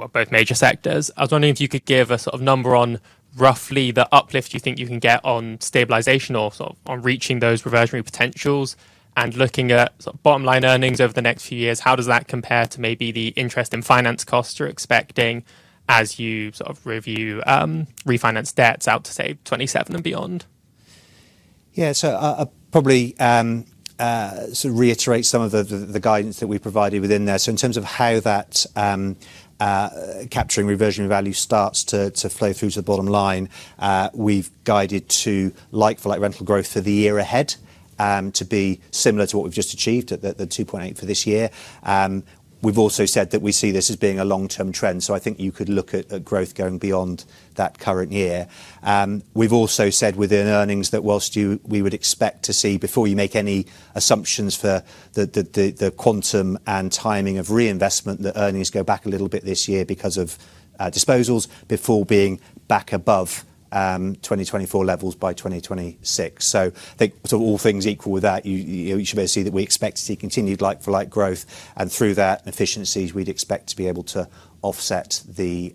or both major sectors. I was wondering if you could give a sort of number on roughly the uplift you think you can get on stabilization or sort of on reaching those reversionary potentials, and looking at sort of bottom-line earnings over the next few years, how does that compare to maybe the interest and finance costs you're expecting as you sort of review, refinance debts out to, say, 2027 and beyond? Yeah, so I probably sort of reiterate some of the guidance that we provided within there. So in terms of how that capturing reversion value starts to flow through to the bottom line, we've guided to like-for-like rental growth for the year ahead to be similar to what we've just achieved at the 2.8% for this year. We've also said that we see this as being a long-term trend, so I think you could look at growth going beyond that current year. We've also said within earnings that whilst we would expect to see, before you make any assumptions for the quantum and timing of reinvestment, that earnings go back a little bit this year because of disposals before being back above 2024 levels by 2026. So I think, all things equal with that, you should be able to see that we expect to see continued like-for-like growth, and through that efficiencies, we'd expect to be able to offset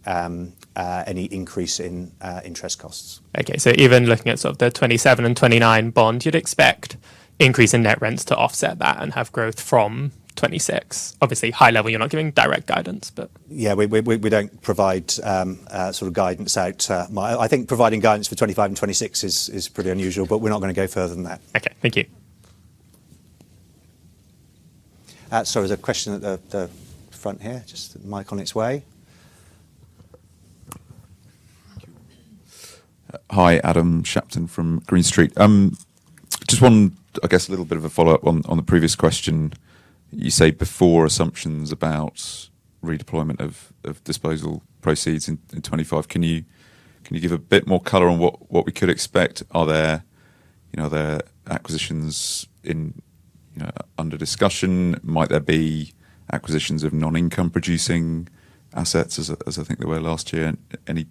any increase in interest costs. Okay, so even looking at sort of the 2027 and 2029 bond, you'd expect increase in net rents to offset that and have growth from 2026. Obviously, high level, you're not giving direct guidance, but- Yeah, we don't provide sort of guidance out. I think providing guidance for 25 and 26 is pretty unusual, but we're not gonna go further than that. Okay. Thank you. So there's a question at the front here, just mic on its way. Hi, Adam Shapton from Green Street. Just one, I guess, a little bit of a follow-up on, on the previous question. You said before, assumptions about redeployment of, of disposal proceeds in, in 2025. Can you, can you give a bit more color on what, what we could expect? Are there, you know, other acquisitions in, under discussion? Might there be acquisitions of non-income producing assets as, as I think there were last year? And any,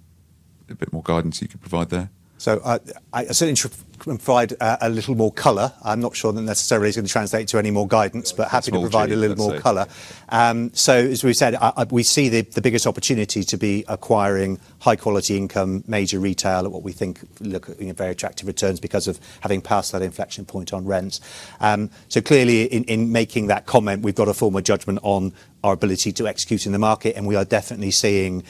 a bit more guidance you could provide there. So, I certainly provide a little more color. I'm not sure that necessarily is going to translate to any more guidance- Yeah. But happy to provide a little more color. That's all true. So as we've said, we see the biggest opportunity to be acquiring high-quality income, major retail, at what we think look, you know, very attractive returns because of having passed that inflection point on rents. So clearly, in making that comment, we've got a firm judgment on our ability to execute in the market, and we are definitely seeing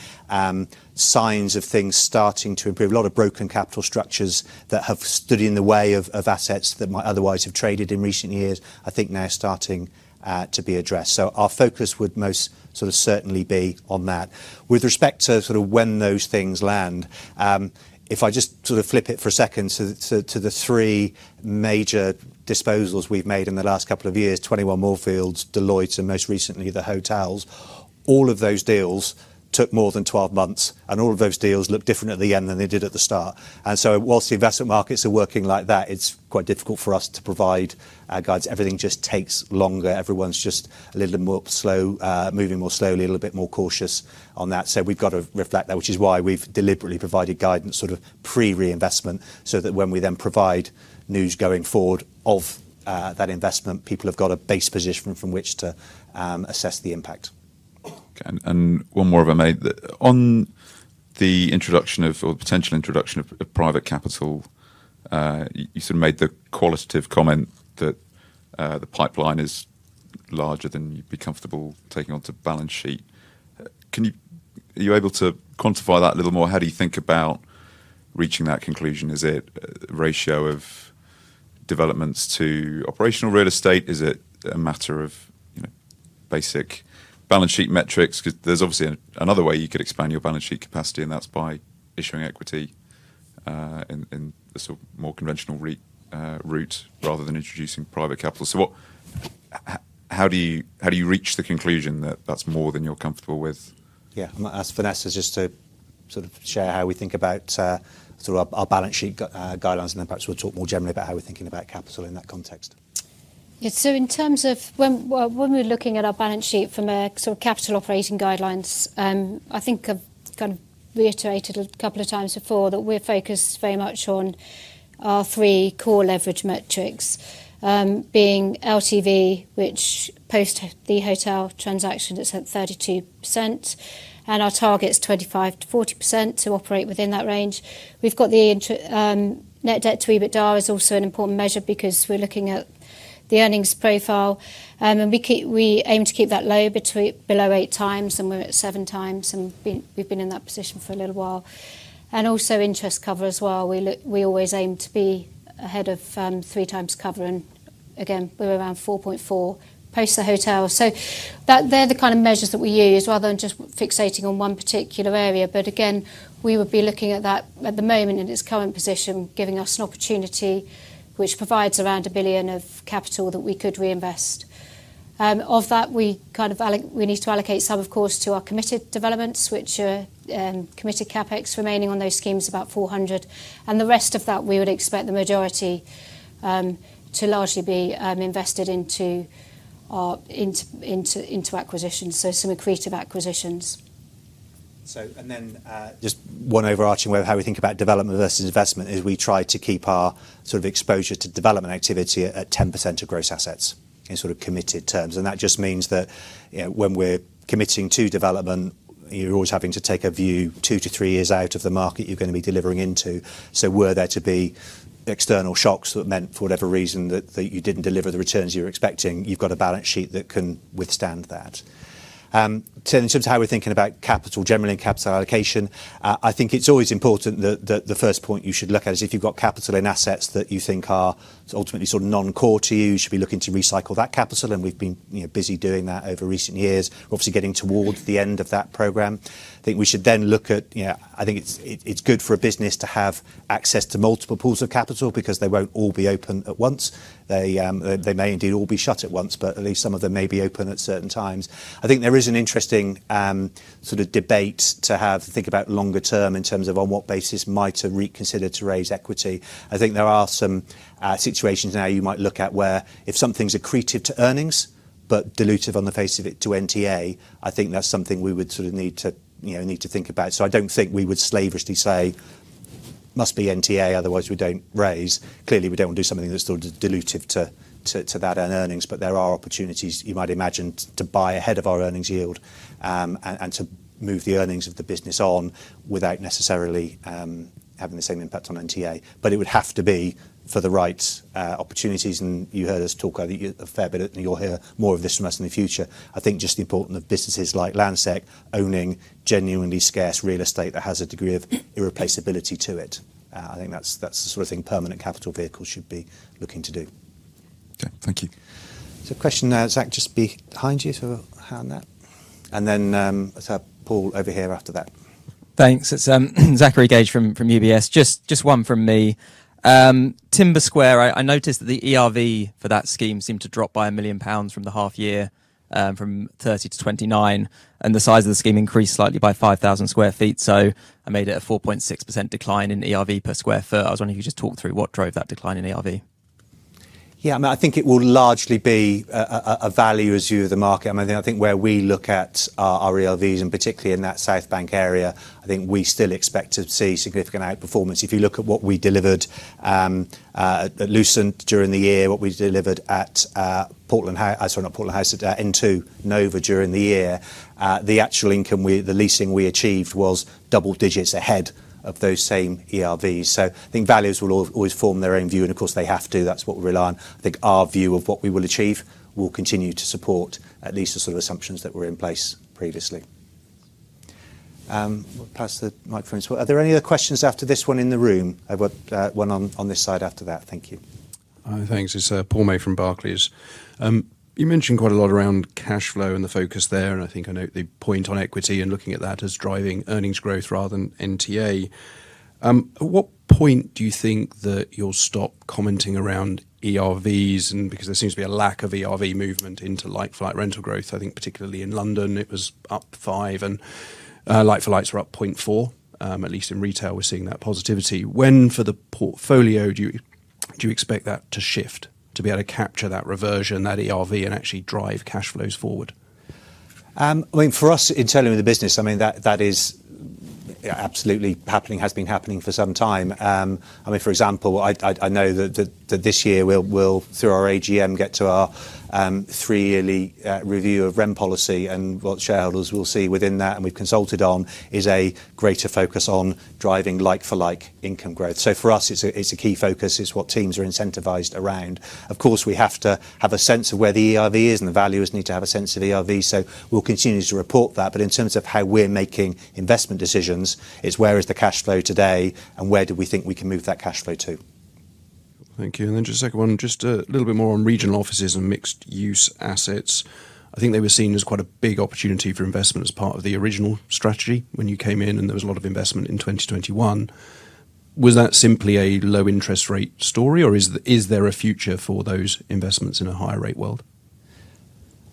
signs of things starting to improve. A lot of broken capital structures that have stood in the way of assets that might otherwise have traded in recent years, I think now are starting to be addressed. So our focus would most sort of certainly be on that. With respect to sort of when those things land, if I just sort of flip it for a second to the three major disposals we've made in the last couple of years: 21 Moorfields, Deloitte, and most recently, the hotels. All of those deals took more than 12 months, and all of those deals looked different at the end than they did at the start. And so while the investment markets are working like that, it's quite difficult for us to provide guides. Everything just takes longer. Everyone's just a little more slow, moving more slowly, a little bit more cautious on that. So we've got to reflect that, which is why we've deliberately provided guidance, sort of pre-reinvestment, so that when we then provide news going forward of that investment, people have got a base position from which to assess the impact. Okay. And one more if I may. On the introduction of, or potential introduction of, private capital, you sort of made the qualitative comment that the pipeline is larger than you'd be comfortable taking onto balance sheet. Are you able to quantify that a little more? How do you think about reaching that conclusion? Is it ratio of developments to operational real estate? Is it a matter of, you know, basic balance sheet metrics? 'Cause there's obviously another way you could expand your balance sheet capacity, and that's by issuing equity, in the sort of more conventional re route, rather than introducing private capital. So what How do you, how do you reach the conclusion that that's more than you're comfortable with? Yeah. I'm gonna ask Vanessa just to sort of share how we think about sort of our balance sheet guidelines, and then perhaps we'll talk more generally about how we're thinking about capital in that context. Yeah, so in terms of when, well, when we're looking at our balance sheet from a sort of capital operating guidelines, I think reiterated a couple of times before, that we're focused very much on our 3 core leverage metrics, being LTV, which post the hotel transaction is at 32%, and our target is 25%-40%, to operate within that range. We've got net debt to EBITDA is also an important measure, because we're looking at the earnings profile. And we aim to keep that low below 8 times, and we're at 7 times, and we've been in that position for a little while. And also interest cover as well. We always aim to be ahead of 3 times cover, and again, we're around 4.4, post the hotel. So that they're the kind of measures that we use, rather than just fixating on one particular area. But again, we would be looking at that, at the moment, in its current position, giving us an opportunity which provides around 1 billion of capital that we could reinvest. Of that, we need to allocate some, of course, to our committed developments, which are committed CapEx remaining on those schemes, about 400 million, and the rest of that, we would expect the majority to largely be invested into our acquisitions, so some accretive acquisitions. And then, just one overarching way of how we think about development versus investment, is we try to keep our sort of exposure to development activity at 10% of gross assets, in sort of committed terms. And that just means that, you know, when we're committing to development, you're always having to take a view two to three years out of the market you're going to be delivering into. So were there to be external shocks that meant, for whatever reason, that you didn't deliver the returns you were expecting, you've got a balance sheet that can withstand that. So in terms of how we're thinking about capital, generally capital allocation, I think it's always important that the first point you should look at is if you've got capital and assets that you think are ultimately sort of non-core to you, you should be looking to recycle that capital, and we've been, you know, busy doing that over recent years. We're obviously getting towards the end of that program. I think we should then look at. Yeah, I think it's good for a business to have access to multiple pools of capital, because they won't all be open at once. They may indeed all be shut at once, but at least some of them may be open at certain times. I think there is an interesting sort of debate to have, to think about longer term, in terms of on what basis might have reconsidered to raise equity. I think there are some situations now you might look at where if something's accretive to earnings, but dilutive on the face of it to NTA, I think that's something we would sort of need to, you know, need to think about. So I don't think we would slavishly say, "Must be NTA, otherwise we don't raise." Clearly, we don't want to do something that's sort of dilutive to that and earnings, but there are opportunities you might imagine to buy ahead of our earnings yield, and to move the earnings of the business on, without necessarily having the same impact on NTA. But it would have to be for the right opportunities, and you heard us talk about it a fair bit, and you'll hear more of this from us in the future. I think just the importance of businesses like Landsec owning genuinely scarce real estate that has a degree of irreplaceability to it. I think that's the sort of thing permanent capital vehicles should be looking to do. Okay, thank you. So, question now, Zach, just behind you. So, a hand there. And then, so Paul, over here after that. Thanks. It's Zachary Gage from UBS. Just one from me. Timber Square, I noticed that the ERV for that scheme seemed to drop by 1 million pounds from the half year, from 30 million to 29 million, and the size of the scheme increased slightly by 5,000 sq ft. So I made it a 4.6% decline in ERV per square foot. I was wondering if you could just talk through what drove that decline in ERV? Yeah, I mean, I think it will largely be a value-add view of the market. I mean, I think where we look at our ERVs, and particularly in that South Bank area, I think we still expect to see significant outperformance. If you look at what we delivered at Lucent during the year, what we delivered at Portland House sorry, not Portland House, N2, Nova during the year, the actual income, the leasing we achieved was double digits ahead of those same ERVs. So I think values will always form their own view, and of course, they have to. That's what we rely on. I think our view of what we will achieve will continue to support at least the sort of assumptions that were in place previously. Pass the microphone. Are there any other questions after this one in the room? I've got one on this side after that. Thank you. Thanks. It's Paul May from Barclays. You mentioned quite a lot around cash flow and the focus there, and I think I note the point on equity and looking at that as driving earnings growth rather than NTA. At what point do you think that you'll stop commenting around ERVs? And because there seems to be a lack of ERV movement into like for like rental growth, I think particularly in London, it was up 5, and like for likes were up 0.4. At least in retail, we're seeing that positivity. When, for the portfolio, do you expect that to shift, to be able to capture that reversion, that ERV, and actually drive cash flows forward? I mean, for us, in terms of the business, I mean, that is absolutely happening, has been happening for some time. I mean, for example, I know that this year, we'll through our AGM, get to our three-yearly review of rent policy, and what shareholders will see within that, and we've consulted on, is a greater focus on driving like for like income growth. So for us, it's a key focus. It's what teams are incentivized around. Of course, we have to have a sense of where the ERV is, and the values need to have a sense of ERV, so we'll continue to report that. But in terms of how we're making investment decisions, it's where is the cash flow today, and where do we think we can move that cash flow to? Thank you. And then just a second one, just a little bit more on regional offices and mixed-use assets. I think they were seen as quite a big opportunity for investment as part of the original strategy when you came in, and there was a lot of investment in 2021. Was that simply a low interest rate story, or is there a future for those investments in a higher rate world?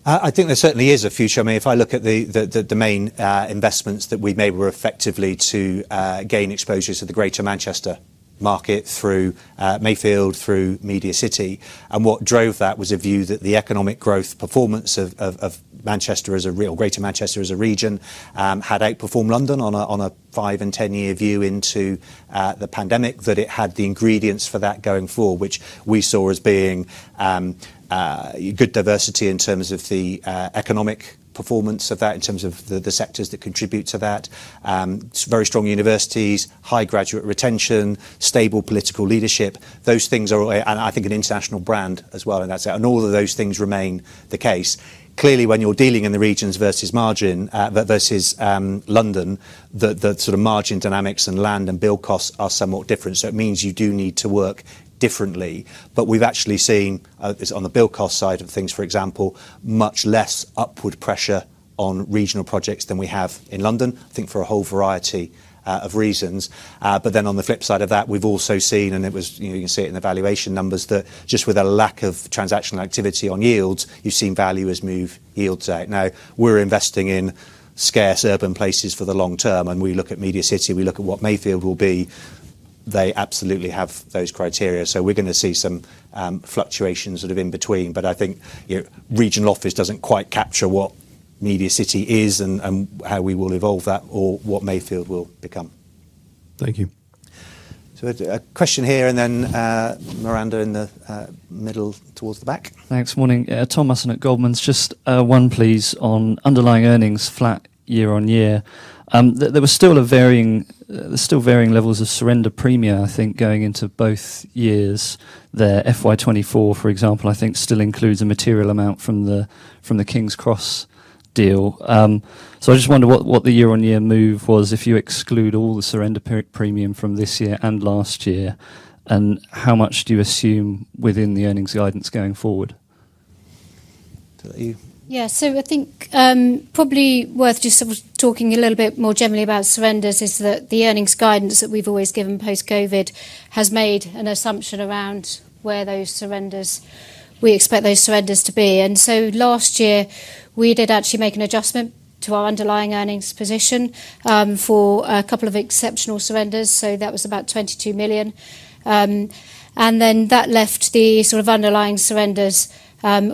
I think there certainly is a future. I mean, if I look at the main investments that we made, were effectively to gain exposure to the Greater Manchester market through Mayfield, through MediaCity. And what drove that was a view that the economic growth performance of Greater Manchester as a region had outperformed London on a 5- and 10-year view into the pandemic, that it had the ingredients for that going forward, which we saw as being good diversity in terms of the economic performance of that, in terms of the sectors that contribute to that. Very strong universities, high graduate retention, stable political leadership. Those things are. And I think an international brand as well, and that's it, and all of those things remain the case. Clearly, when you're dealing in the regions versus margin versus London, the the sort of margin dynamics and land and build costs are somewhat different, so it means you do need to work differently. But we've actually seen this on the build cost side of things, for example, much less upward pressure on regional projects than we have in London, I think for a whole variety of reasons. But then on the flip side of that, we've also seen, and it was, you know, you can see it in the valuation numbers, that just with a lack of transactional activity on yields, you've seen valuers move yields out. Now, we're investing in scarce urban places for the long term, and we look at MediaCity, we look at what Mayfield will be, they absolutely have those criteria. So we're gonna see some fluctuations sort of in between, but I think, you know, regional office doesn't quite capture what MediaCity is and how we will evolve that or what Mayfield will become. Thank you. So, a question here, and then, Miranda, in the middle towards the back. Thanks. Morning. Tom Musson at Goldman Sachs. Just one please, on underlying earnings flat year-on-year. There was still varying levels of surrender premia, I think, going into both years there. FY 2024, for example, I think still includes a material amount from the King's Cross deal. So I just wonder what the year-on-year move was if you exclude all the surrender premium from this year and last year, and how much do you assume within the earnings guidance going forward? To you. Yeah, so I think, probably worth just sort of talking a little bit more generally about surrenders, is that the earnings guidance that we've always given post-COVID has made an assumption around where those surrenders, we expect those surrenders to be. And so last year, we did actually make an adjustment to our underlying earnings position, for a couple of exceptional surrenders, so that was about 22 million. And then that left the sort of underlying surrenders,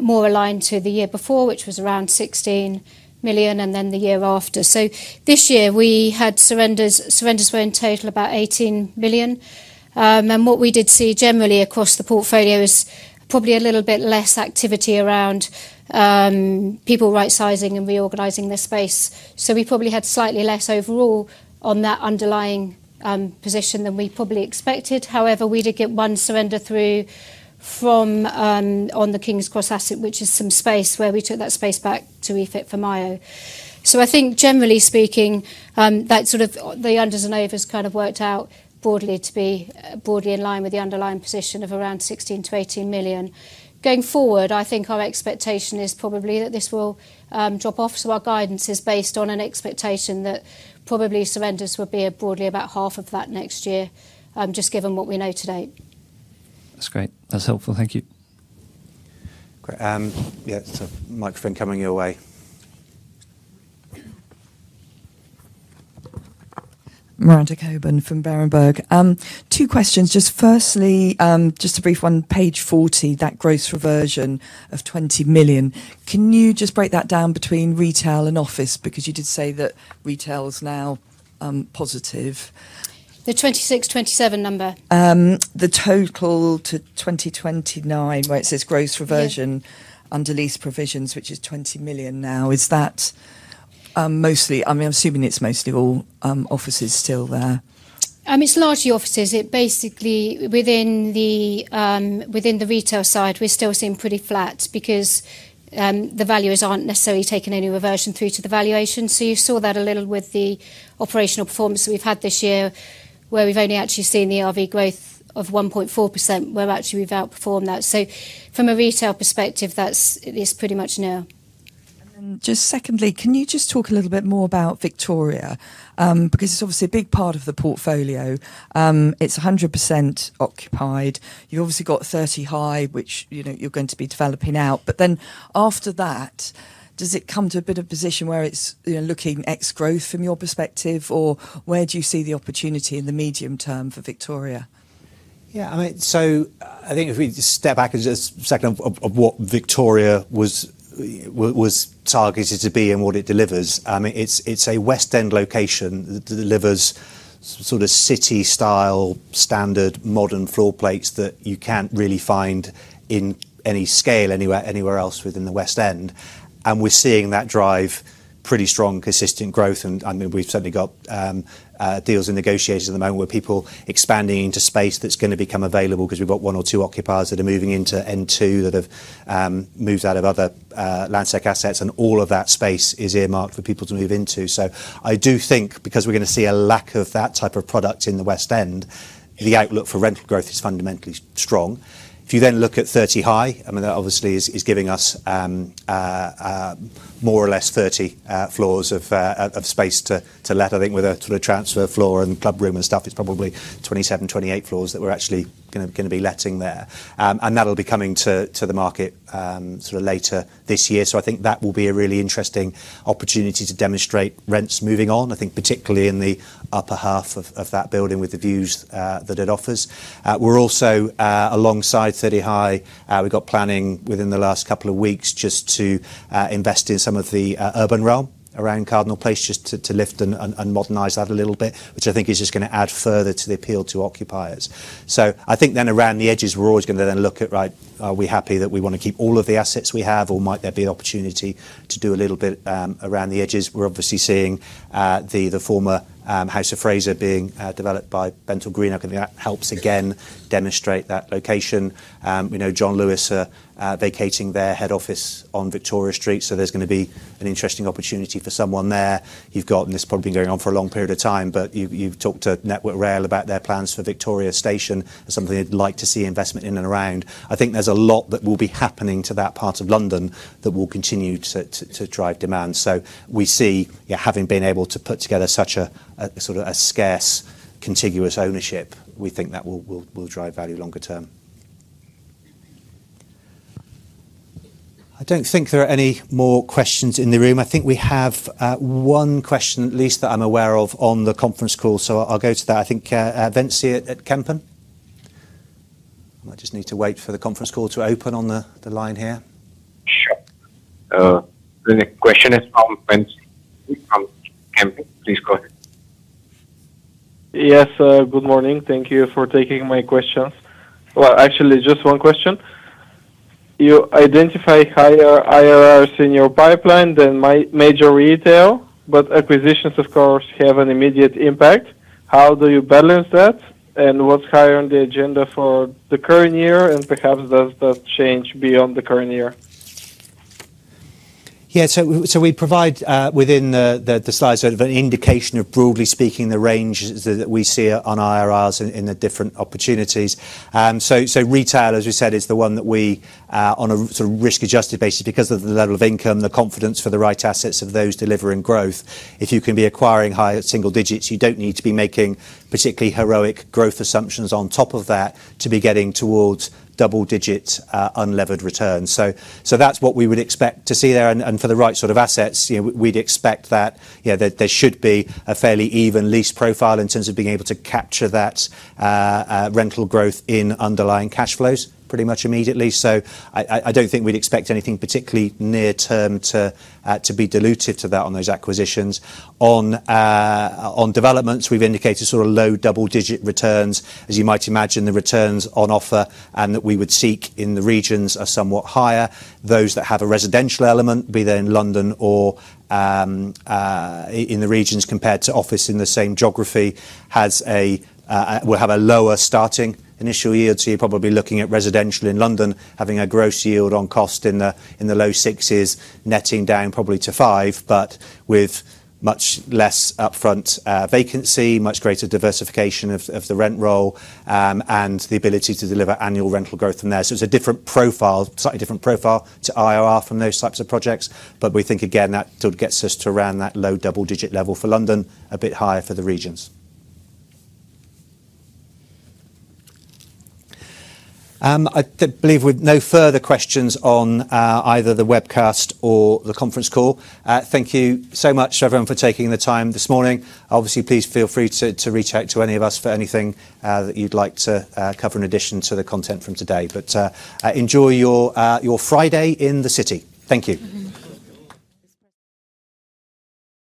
more aligned to the year before, which was around 16 million, and then the year after. So this year we had surrenders, surrenders were in total about 18 billion. And what we did see generally across the portfolio is probably a little bit less activity around, people right-sizing and reorganizing their space. So we probably had slightly less overall on that underlying, position than we probably expected. However, we did get one surrender through from, on the King's Cross asset, which is some space where we took that space back to refit for Myo. So I think generally speaking, that sort of, the unders and overs kind of worked out broadly to be broadly in line with the underlying position of around 16-18 million. Going forward, I think our expectation is probably that this will, drop off. So our guidance is based on an expectation that probably surrenders will be broadly about half of that next year, just given what we know to date. That's great. That's helpful. Thank you. Great. Yeah, so microphone coming your way. Miranda Cockburn from Berenberg. Two questions. Just firstly, just a brief one, page 40, that gross reversion of 20 million, can you just break that down between retail and office? Because you did say that retail is now positive. The 26, 27 number? The total to 2029, where it says, "Gross reversion- Yeah under lease provisions," which is 20 million now, is that mostly I mean, I'm assuming it's mostly all offices still there? It's largely offices. It basically, within the, within the retail side, we're still seeing pretty flat because, the valuers aren't necessarily taking any reversion through to the valuation. So you saw that a little with the operational performance that we've had this year, where we've only actually seen the RV growth of 1.4%, where actually we've outperformed that. So from a retail perspective, that's, it's pretty much nil. Then just secondly, can you just talk a little bit more about Victoria? Because it's obviously a big part of the portfolio. It's 100% occupied. You've obviously got Thirty High, which, you know, you're going to be developing out. Then after that, does it come to a bit of position where it's, you know, looking ex-growth from your perspective, or where do you see the opportunity in the medium term for Victoria? Yeah, I mean, so I think if we just step back and just a second of what Victoria was targeted to be and what it delivers, it's a West End location that delivers sort of city-style, standard, modern floor plates that you can't really find in any scale anywhere else within the West End. And we're seeing that driving pretty strong, consistent growth, and, I mean, we've certainly got deals and negotiations at the moment where people expanding into space that's gonna become available because we've got one or two occupiers that are moving into N2, that have moved out of other Landsec assets, and all of that space is earmarked for people to move into. So I do think, because we're gonna see a lack of that type of product in the West End, the outlook for rental growth is fundamentally strong. If you then look at Thirty High, I mean, that obviously is giving us more or less 30 floors of space to let. I think with a sort of transfer floor and club room and stuff, it's probably 27, 28 floors that we're actually gonna be letting there. And that'll be coming to the market sort of later this year. So I think that will be a really interesting opportunity to demonstrate rents moving on, I think, particularly in the upper half of that building with the views that it offers. We're also alongside Thirty High, we got planning within the last couple of weeks just to invest in some of the urban realm around Cardinal Place, just to to lift and and modernize that a little bit, which I think is just gonna add further to the appeal to occupiers. So I think then around the edges, we're always gonna then look at, right, are we happy that we wanna keep all of the assets we have, or might there be an opportunity to do a little bit around the edges? We're obviously seeing the former House of Fraser being developed by BentallGreenOak, and that helps again demonstrate that location. We know John Lewis are vacating their head office on Victoria Street, so there's gonna be an interesting opportunity for someone there. You've got And this has probably been going on for a long period of time, but you've talked to Network Rail about their plans for Victoria Station, as something they'd like to see investment in and around. I think there's a lot that will be happening to that part of London that will continue to drive demand. So we see, yeah, having been able to put together such a sort of a scarce, contiguous ownership, we think that will drive value longer term. I don't think there are any more questions in the room. I think we have one question at least that I'm aware of on the conference call, so I'll go to that. I think Ventsi at Kempen. I might just need to wait for the conference call to open on the line here. Sure. The next question is from Ventsi, from Kempen. Please go ahead. Yes, good morning. Thank you for taking my questions. Well, actually, just one question. You identify higher IRRs in your pipeline than major retail, but acquisitions, of course, have an immediate impact. How do you balance that? And what's higher on the agenda for the current year, and perhaps does that change beyond the current year? Yeah, so we provide within the slide sort of an indication of, broadly speaking, the ranges that we see on IRRs in the different opportunities. So retail, as we said, is the one that we on a sort of risk-adjusted basis, because of the level of income, the confidence for the right assets of those delivering growth, if you can be acquiring higher single digits, you don't need to be making particularly heroic growth assumptions on top of that to be getting towards double digits unlevered returns. So that's what we would expect to see there, and for the right sort of assets, you know, we'd expect that, you know, that there should be a fairly even lease profile in terms of being able to capture that rental growth in underlying cash flows pretty much immediately. So I don't think we'd expect anything particularly near term to be diluted to that on those acquisitions. On developments, we've indicated sort of low double-digit returns. As you might imagine, the returns on offer and that we would seek in the regions are somewhat higher. Those that have a residential element, be they in London or in the regions compared to office in the same geography, has a Will have a lower starting initial yield, so you're probably looking at residential in London, having a gross yield on cost in the low sixes, netting down probably to five, but with much less upfront vacancy, much greater diversification of the rent roll, and the ability to deliver annual rental growth from there. So it's a different profile, slightly different profile to IRR from those types of projects, but we think again, that sort of gets us to around that low double-digit level for London, a bit higher for the regions. I believe with no further questions on either the webcast or the conference call, thank you so much, everyone, for taking the time this morning. Obviously, please feel free to reach out to any of us for anything that you'd like to cover in addition to the content from today. But enjoy your Friday in the city. Thank you.